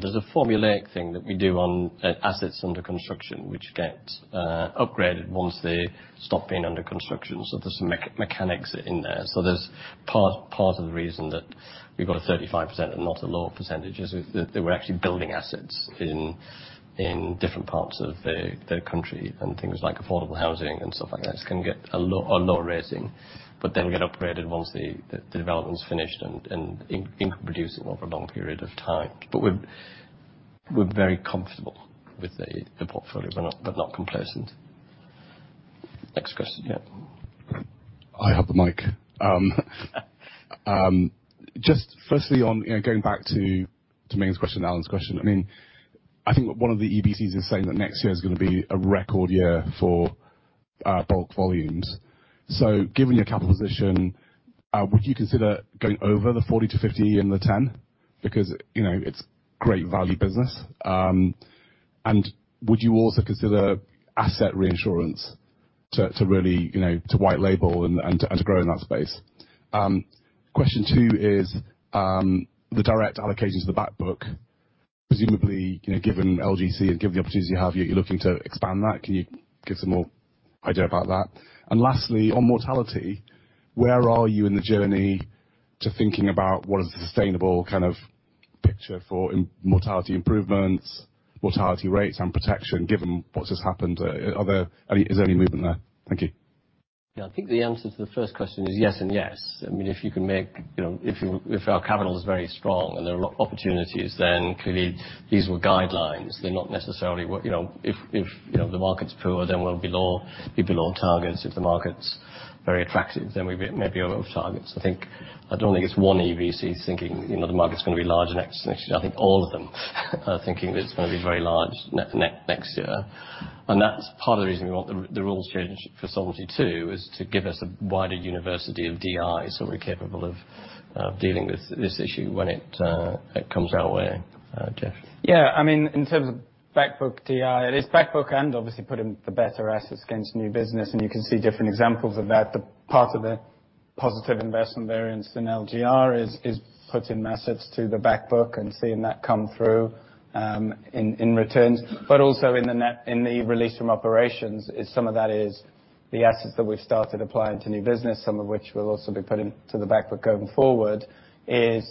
There's a formulaic thing that we do on assets under construction which get upgraded once they stop being under construction. There's some mechanics in there. There's part of the reason that we've got a 35% and not a lower percentage is that we're actually building assets in different parts of the country. Things like affordable housing and stuff like this can get a lower rating, but then get upgraded once the development's finished and income producing over a long period of time. We're very comfortable with the portfolio. We're not complacent. Next question. I have the mic. Just firstly on, going back to Ming's question and Alan's question. I mean, I think one of the EBCs is saying that next year is gonna be a record year for bulk volumes. Given your capital position, would you consider going over the 40-50 and the 10? Because, it's great value business. Would you also consider asset reinsurance to really, to white label and to grow in that space? Question two is the direct allocations of the back book. Presumably, given LGC and given the opportunities you have, you're looking to expand that. Can you give some more idea about that? Lastly, on mortality, where are you in the journey to thinking about what is the sustainable kind of picture for mortality improvements, mortality rates and protection, given what just happened? Is there any movement there? Thank you. I think the answer to the first question is yes and yes. I mean, if our capital is very strong and there are a lot opportunities, then clearly these were guidelines. if the market's poor, then we'll be below targets. If the market's very attractive, then we'd be maybe over targets. I think I don't think it's one EBC thinking, the market's gonna be large next year. I think all of them are thinking that it's gonna be very large next year. That's part of the reason we want the rules changed for Solvency II, is to give us a wider universe of DIs so we're capable of dealing with this issue when it comes our way. Jeff? I mean, in terms of back book DI, it is back book and obviously putting the better assets against new business, and you can see different examples of that. Part of the positive investment variance in LGR is putting assets to the back book and seeing that come through in returns. But also in the release from operations is some of that is the assets that we've started applying to new business, some of which we'll also be putting to the back book going forward, is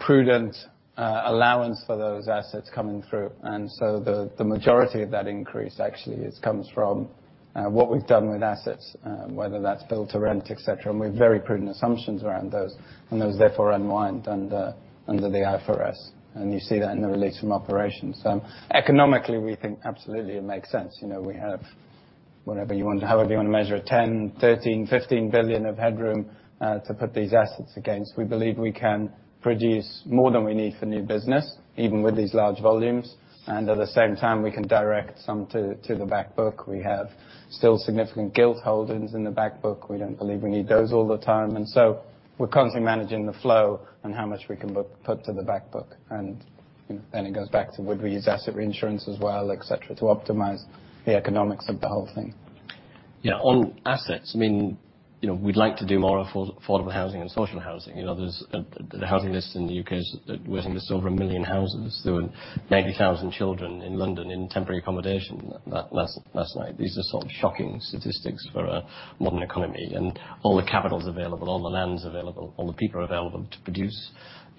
prudent allowance for those assets coming through. So the majority of that increase actually comes from what we've done with assets, whether that's build to rent, et cetera. We have very prudent assumptions around those, and those therefore unwind under the IFRS. You see that in the release from operations. Economically, we think absolutely it makes sense. We have however you wanna measure it, 10 billion, 13 billion, 15 billion of headroom to put these assets against. We believe we can produce more than we need for new business, even with these large volumes. At the same time, we can direct some to the back book. We have still significant gilt holdings in the back book. We don't believe we need those all the time. We're constantly managing the flow and how much we can put to the back book. Then it goes back to would we use asset reinsurance as well, et cetera, to optimize the economics of the whole thing. On assets, I mean, we'd like to do more affordable housing and social housing. there's the housing list in the U.K. is, we think, there's over 1 million houses. There were 90,000 children in London in temporary accommodation last night. These are sort of shocking statistics for a modern economy. All the capital is available, all the land is available, all the people are available to produce,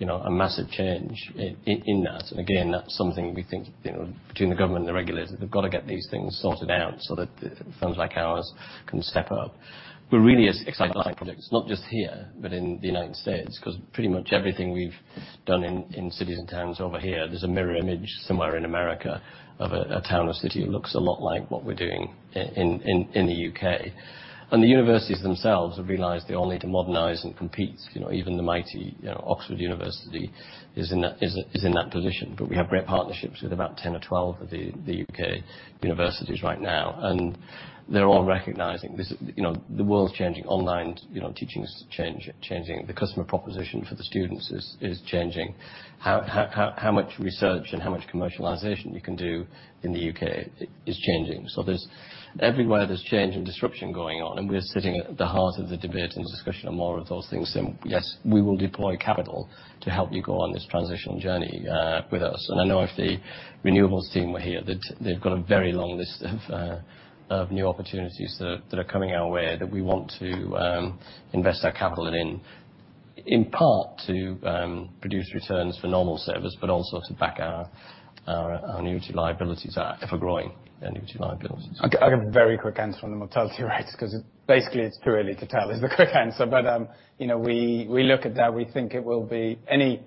a massive change in that. Again, that's something we think, between the government and the regulators, they've got to get these things sorted out so that firms like ours can step up. We're really excited about projects, not just here, but in the United States, 'cause pretty much everything we've done in cities and towns over here, there's a mirror image somewhere in America of a town or city that looks a lot like what we're doing in the U.K. The universities themselves have realized they all need to modernize and compete. even the mighty Oxford University is in that position. We have great partnerships with about 10 or 12 of the U.K. universities right now. They're all recognizing this, the world's changing. Online teaching is changing. The customer proposition for the students is changing. How much research and how much commercialization you can do in the U.K. is changing. Everywhere there's change and disruption going on, and we're sitting at the heart of the debate and discussion on more of those things. Yes, we will deploy capital to help you go on this transitional journey with us. I know if the renewables team were here, they've got a very long list of new opportunities that are coming our way that we want to invest our capital in. In part to produce returns for normal service, but also to back our annuity liabilities, if we're growing the annuity liabilities. I've got a very quick answer on the mortality rates, 'cause basically it's too early to tell. That's the quick answer. we look at that. We think it will be a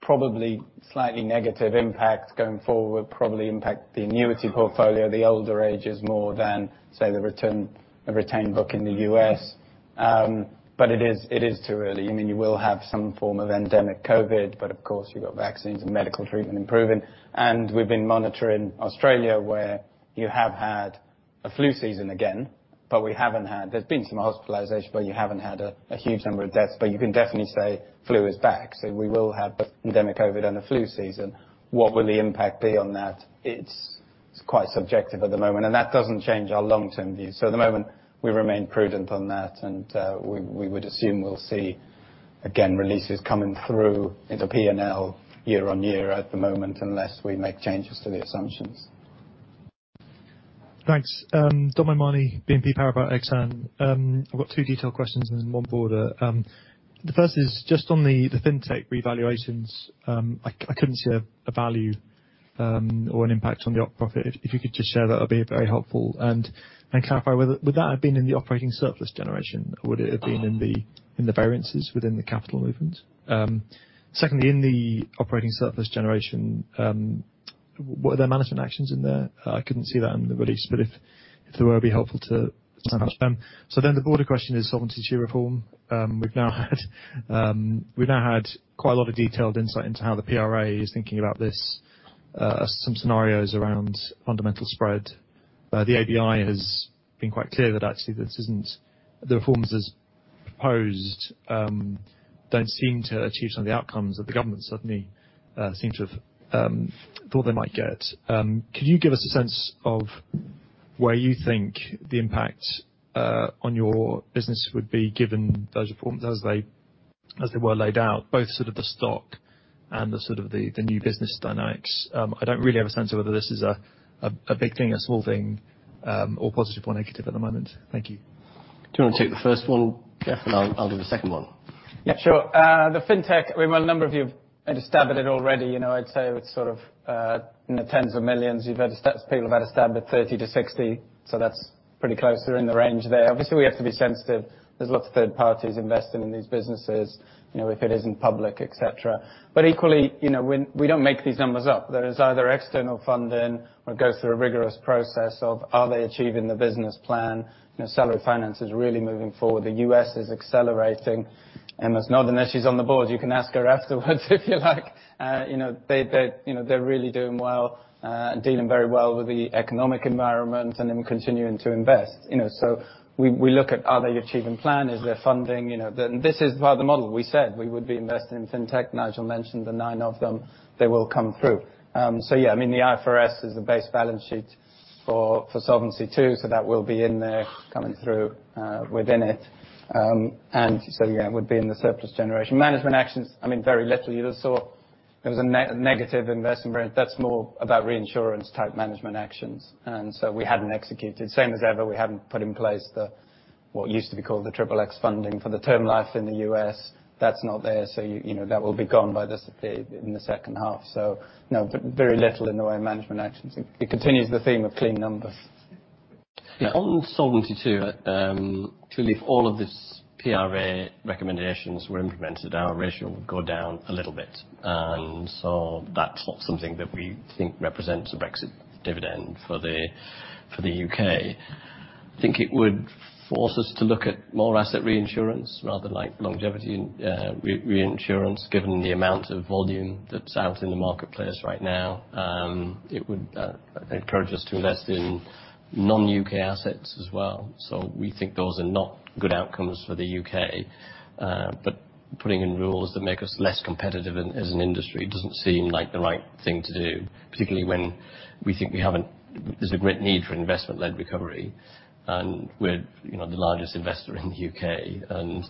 probably slightly negative impact going forward, probably impact the annuity portfolio, the older ages more than, say, the retained book in the U.S. It is too early. I mean, you will have some form of endemic COVID, but of course you've got vaccines and medical treatment improving. We've been monitoring Australia, where you have had a flu season again, but we haven't had. There's been some hospitalization, but you haven't had a huge number of deaths. You can definitely say flu is back. We will have both endemic COVID and the flu season. What will the impact be on that? It's quite subjective at the moment, and that doesn't change our long-term view. At the moment, we remain prudent on that and we would assume we'll see, again, releases coming through in the P&L year on year at the moment, unless we make changes to the assumptions. Thanks. Dominic O'Mahony, BNP Paribas Exane. I've got two detailed questions and one broader. The first is just on the fintech revaluations. I couldn't see a value or an impact on the operating profit. If you could just share that'd be very helpful. And clarify whether. Would that have been in the operating surplus generation, or would it have been in the variances within the capital movement? Secondly, in the operating surplus generation, were there management actions in there? I couldn't see that in the release, but if there were, it'd be helpful to understand. The broader question is Solvency II reform? We've now had quite a lot of detailed insight into how the PRA is thinking about this, some scenarios around fundamental spread. The ABI has been quite clear that, actually this isn't the reforms as proposed, don't seem to achieve some of the outcomes that the government suddenly seem to have thought they might get. Could you give us a sense of where you think the impact on your business would be given those reforms as they were laid out, both sort of the stock and the sort of the new business dynamics? I don't really have a sense of whether this is a big thing, a small thing, or positive or negative at the moment. Thank you. Do you wanna take the first one, Jeff? I'll do the second one. Sure. The fintech, I mean, a number of you have made a stab at it already. I'd say it's tens of millions. People have had a stab at 30-60, so that's pretty close. We're in the range there. Obviously, we have to be sensitive. There's lots of third parties investing in these businesses, if it isn't public, et cetera. But equally, when we don't make these numbers up. There is either external funding. We go through a rigorous process of are they achieving the business plan. Salary Finance is really moving forward. The U.S. is accelerating. Emma's nodding. She's on the board. You can ask her afterwards if you like. they. They're really doing well, and dealing very well with the economic environment and then continuing to invest, you know. We look at are they achieving plan, is there funding, you know. And this is part of the model. We said we would be investing in fintech. Nigel mentioned the 9 of them. They will come through. I mean, the IFRS is the base balance sheet for Solvency II, so that will be in there coming through within it. it would be in the surplus generation. Management actions, I mean, very little. You just saw there was a negative investment return. That's more about reinsurance type management actions, and so we hadn't executed. Same as ever, we hadn't put in place the what used to be called the Triple-X funding for the term life in the U.S. That's not there, so that will be gone by the second half. So, very little in the way of management actions. It continues the theme of clean numbers. On Solvency II, clearly if all of this PRA recommendations were implemented, our ratio would go down a little bit. That's not something that we think represents a Brexit dividend for the U.K. I think it would force us to look at more asset reinsurance, rather like longevity in reinsurance, given the amount of volume that's out in the marketplace right now. It would encourage us to invest in non-U.K. assets as well. We think those are not good outcomes for the U.K., putting in rules that make us less competitive as an industry doesn't seem like the right thing to do, particularly when we think there's a great need for investment-led recovery. We're the largest investor in the U.K., and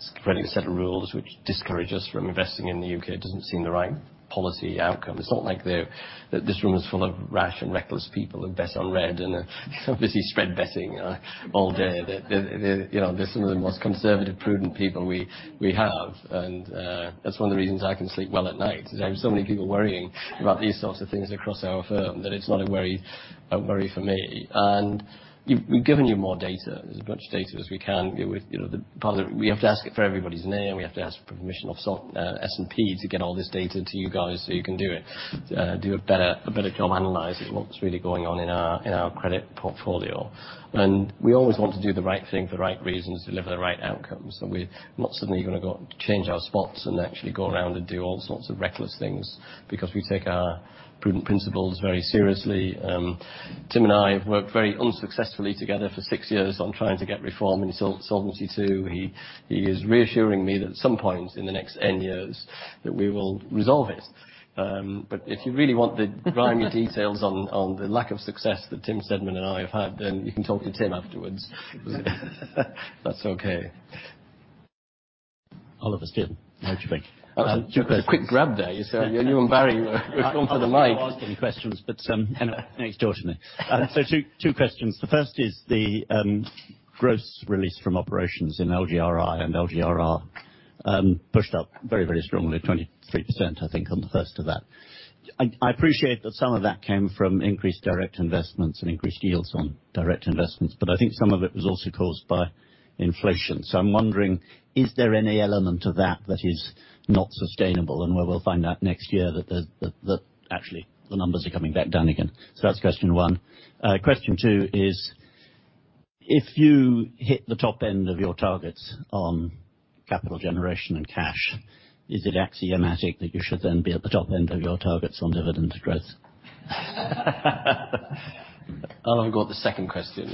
spreading a set of rules which discourage us from investing in the U.K. doesn't seem the right policy outcome. It's not like they're, this room is full of rash and reckless people who bet on red and are busy spread betting all day. They're, some of the most conservative, prudent people we have. That's one of the reasons I can sleep well at night, is I have so many people worrying about these sorts of things across our firm that it's not a worry for me. We've given you more data, as much data as we can with, the public. We have to ask for everybody's name, we have to ask for permission of S&P to get all this data to you guys so you can do a better job analyzing what's really going on in our credit portfolio. We always want to do the right thing for the right reasons, deliver the right outcomes, and we're not suddenly gonna go change our spots and actually go around and do all sorts of reckless things, because we take our prudent principles very seriously. Tim and I have worked very unsuccessfully together for six years on trying to get reform in Solvency II. He is reassuring me that at some point in the next ten years that we will resolve it. If you really want the grimy details on the lack of success that Tim Stedman and I have had, then you can talk to Tim afterwards. If that's okay. Oliver Steel, how did you think? That was a quick grab there. You and Barry were going for the light. I was gonna ask some questions, but extraordinary. Two questions. The first is the gross release from operations in LGRI and LGRR pushed up very strongly, 23%, I think, on the first half. I appreciate that some of that came from increased direct investments and increased yields on direct investments, but I think some of it was also caused by inflation. I'm wondering, is there any element of that that is not sustainable and where we'll find out next year that actually the numbers are coming back down again? That's question one. Question two is, if you hit the top end of your targets on capital generation and cash, is it axiomatic that you should then be at the top end of your targets on dividend growth? I'll have a go at the second question.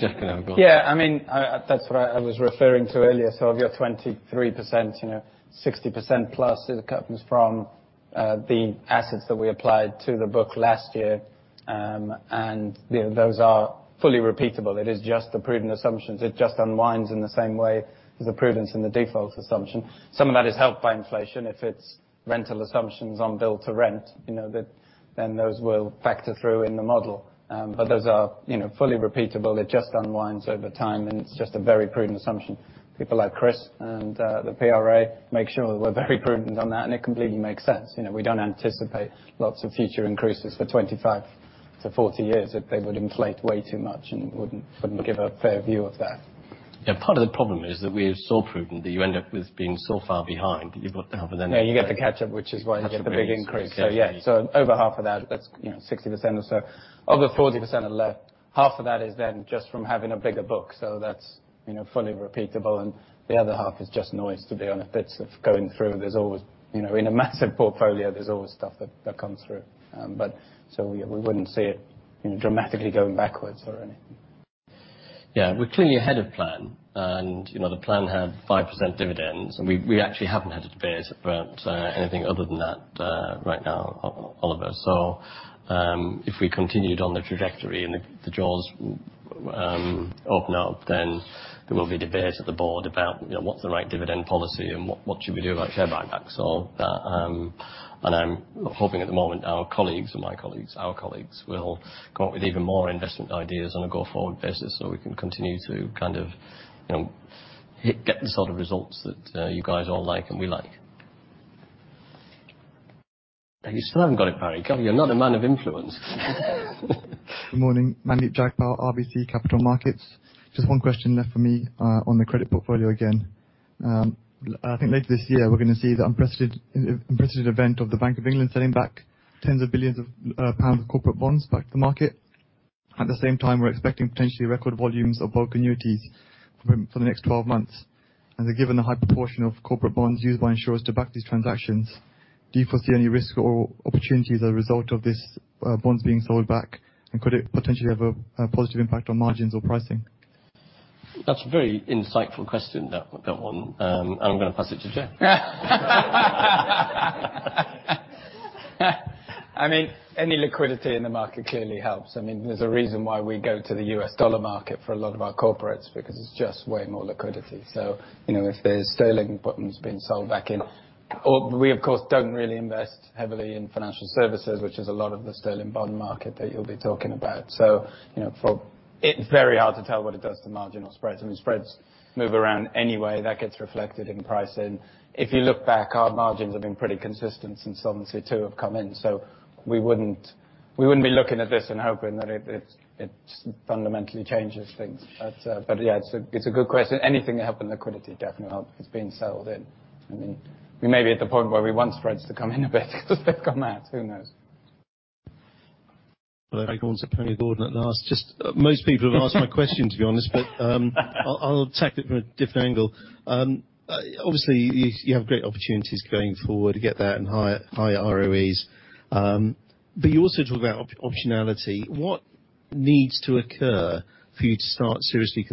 Jeff can have a go. I mean, that's what I was referring to earlier. Of your 23%, 60% plus comes from the assets that we applied to the book last year. Those are fully repeatable. It is just the prudent assumptions. It just unwinds in the same way as the prudence in the default assumption. Some of that is helped by inflation. If it's rental assumptions on build-to-rent, then those will factor through in the model. But those are fully repeatable. It just unwinds over time, and it's just a very prudent assumption. People like Chris and the PRA make sure that we're very prudent on that, and it completely makes sense. You know, we don't anticipate lots of future increases for 25-40 years, that they would inflate way too much and wouldn't give a fair view of that. Part of the problem is that we are so prudent that you end up with being so far behind that you've got to have an end- you get the catch-up, which is why you get the big increase. Have to really increase. Over half of that's, 60% or so. Of the 40% left, half of that is then just from having a bigger book, so that's, fully repeatable, and the other half is just noise to be honest. It's going through. There's always, in a massive portfolio, there's always stuff that comes through. We wouldn't see it, dramatically going backwards or anything. We're clearly ahead of plan and, the plan had 5% dividends and we actually haven't had a debate about anything other than that right now, Oliver. If we continued on the trajectory and the draws open up, then there will be debate at the board about, what's the right dividend policy and what should we do about share buybacks or that. I'm hoping at the moment our colleagues will come up with even more investment ideas on a go-forward basis, so we can continue to kind of, hit, get the sort of results that you guys all like and we like. You still haven't got it, Barry. God, you're not a man of influence. Good morning. Mandeep Jagpal, RBC Capital Markets. Just one question left for me on the credit portfolio again. I think later this year, we're gonna see the unprecedented event of the Bank of England selling back tens of billions of GBP of corporate bonds back to the market. At the same time, we're expecting potentially record volumes of bulk annuities for the next 12 months. Given the high proportion of corporate bonds used by insurers to back these transactions, do you foresee any risk or opportunities as a result of these bonds being sold back? Could it potentially have a positive impact on margins or pricing? That's a very insightful question, that one. I'm gonna pass it to Jeff. I mean, any liquidity in the market clearly helps. I mean, there's a reason why we go to the U.S. dollar market for a lot of our corporates, because it's just way more liquidity. If there are sterling bonds being sold back in. Or we of course don't really invest heavily in financial services, which is a lot of the sterling bond market that you'll be talking about. It's very hard to tell what it does to marginal spreads. I mean, spreads move around anyway. That gets reflected in pricing. If you look back, our margins have been pretty consistent since Solvency II have come in, so we wouldn't be looking at this and hoping that it fundamentally changes things. it's a good question. Anything to help with liquidity definitely help. It's being settled in. I mean, we may be at the point where we want spreads to come in a bit because they've come out. Who knows? Well, everyone's apparently bored at last. Just most people have asked my question, to be honest. I'll attack it from a different angle. Obviously you have great opportunities going forward to get there and higher ROEs. You also talk about optionality. What needs to occur for you to start seriously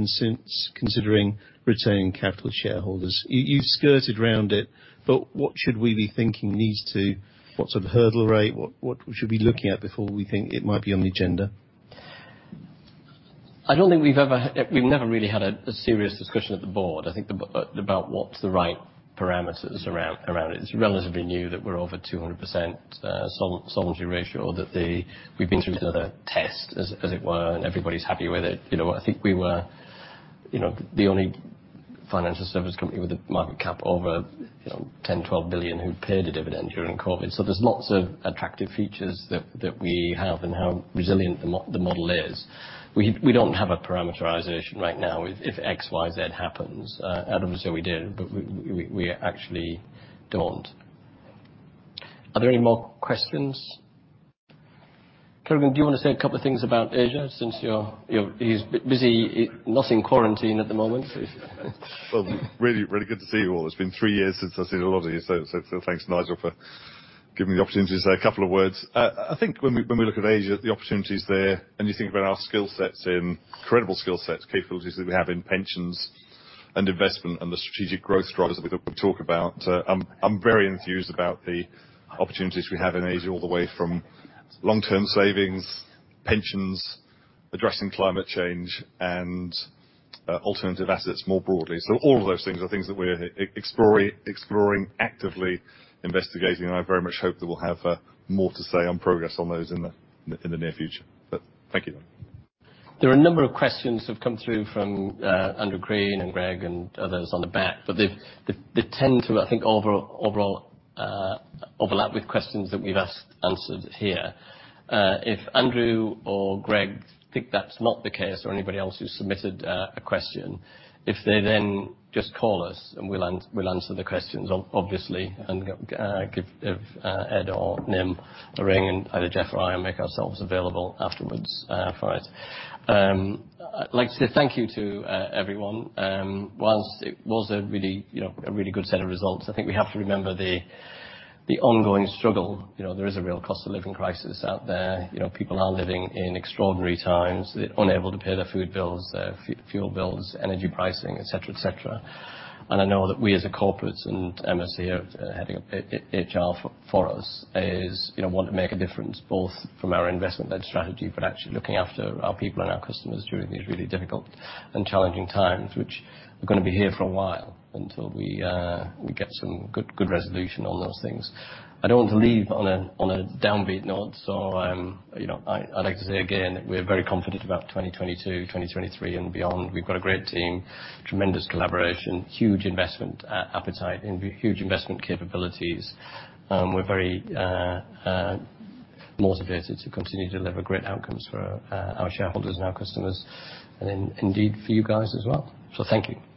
considering returning capital to shareholders? You skirted around it, but what should we be thinking needs to? What sort of hurdle rate? What should we be looking at before we think it might be on the agenda? We've never really had a serious discussion at the board, I think, about what's the right parameters around it. It's relatively new that we're over 200% solvency ratio. We've been through another test, as it were, and everybody's happy with it. I think we were, the only financial service company with a market cap over, 10-12 billion who paid a dividend during COVID. There's lots of attractive features that we have and how resilient the model is. We don't have a parameterization right now if X, Y, Z happens. Adam will say we did, but we actually don't. Are there any more questions? Kieran, do you wanna say a couple of things about Asia since you're. He's busy, not in quarantine at the moment? Well, really good to see you all. It's been 3 years since I've seen a lot of you. So thanks, Nigel, for giving me the opportunity to say a couple of words. I think when we look at Asia, the opportunities there, and you think about our skill sets in incredible skill sets, capabilities that we have in pensions and investment and the strategic growth drivers that we talk about, I'm very enthused about the opportunities we have in Asia, all the way from long-term savings, pensions, addressing climate change and alternative assets more broadly. All of those things are things that we're exploring, actively investigating, and I very much hope that we'll have more to say on progress on those in the near future? Thank you. There are a number of questions have come through from Andrew Crean and Greg and others on the back, but they tend to, I think, overall, overlap with questions that we've answered here. If Andrew Crean or Greg think that's not the case or anybody else who submitted a question, if they then just call us and we'll answer the questions obviously. Give Ed or Nim a ring, and either Jeff or I'll make ourselves available afterwards for it. I'd like to say thank you to everyone. While it was a really, a really good set of results, I think we have to remember the ongoing struggle. There is a real cost of living crisis out there. People are living in extraordinary times. They're unable to pay their food bills, their fuel bills, energy pricing, et cetera, et cetera. I know that we as corporates and MSC are heading up. HR for us is you know want to make a difference, both from our investment-led strategy, but actually looking after our people and our customers during these really difficult and challenging times, which are gonna be here for a while, until we get some good resolution on those things. I don't want to leave on a downbeat note, so you know I'd like to say again, we're very confident about 2022, 2023 and beyond. We've got a great team, tremendous collaboration, huge investment appetite and huge investment capabilities. We're very motivated to continue to deliver great outcomes for our shareholders and our customers, and indeed for you guys as well. Thank you.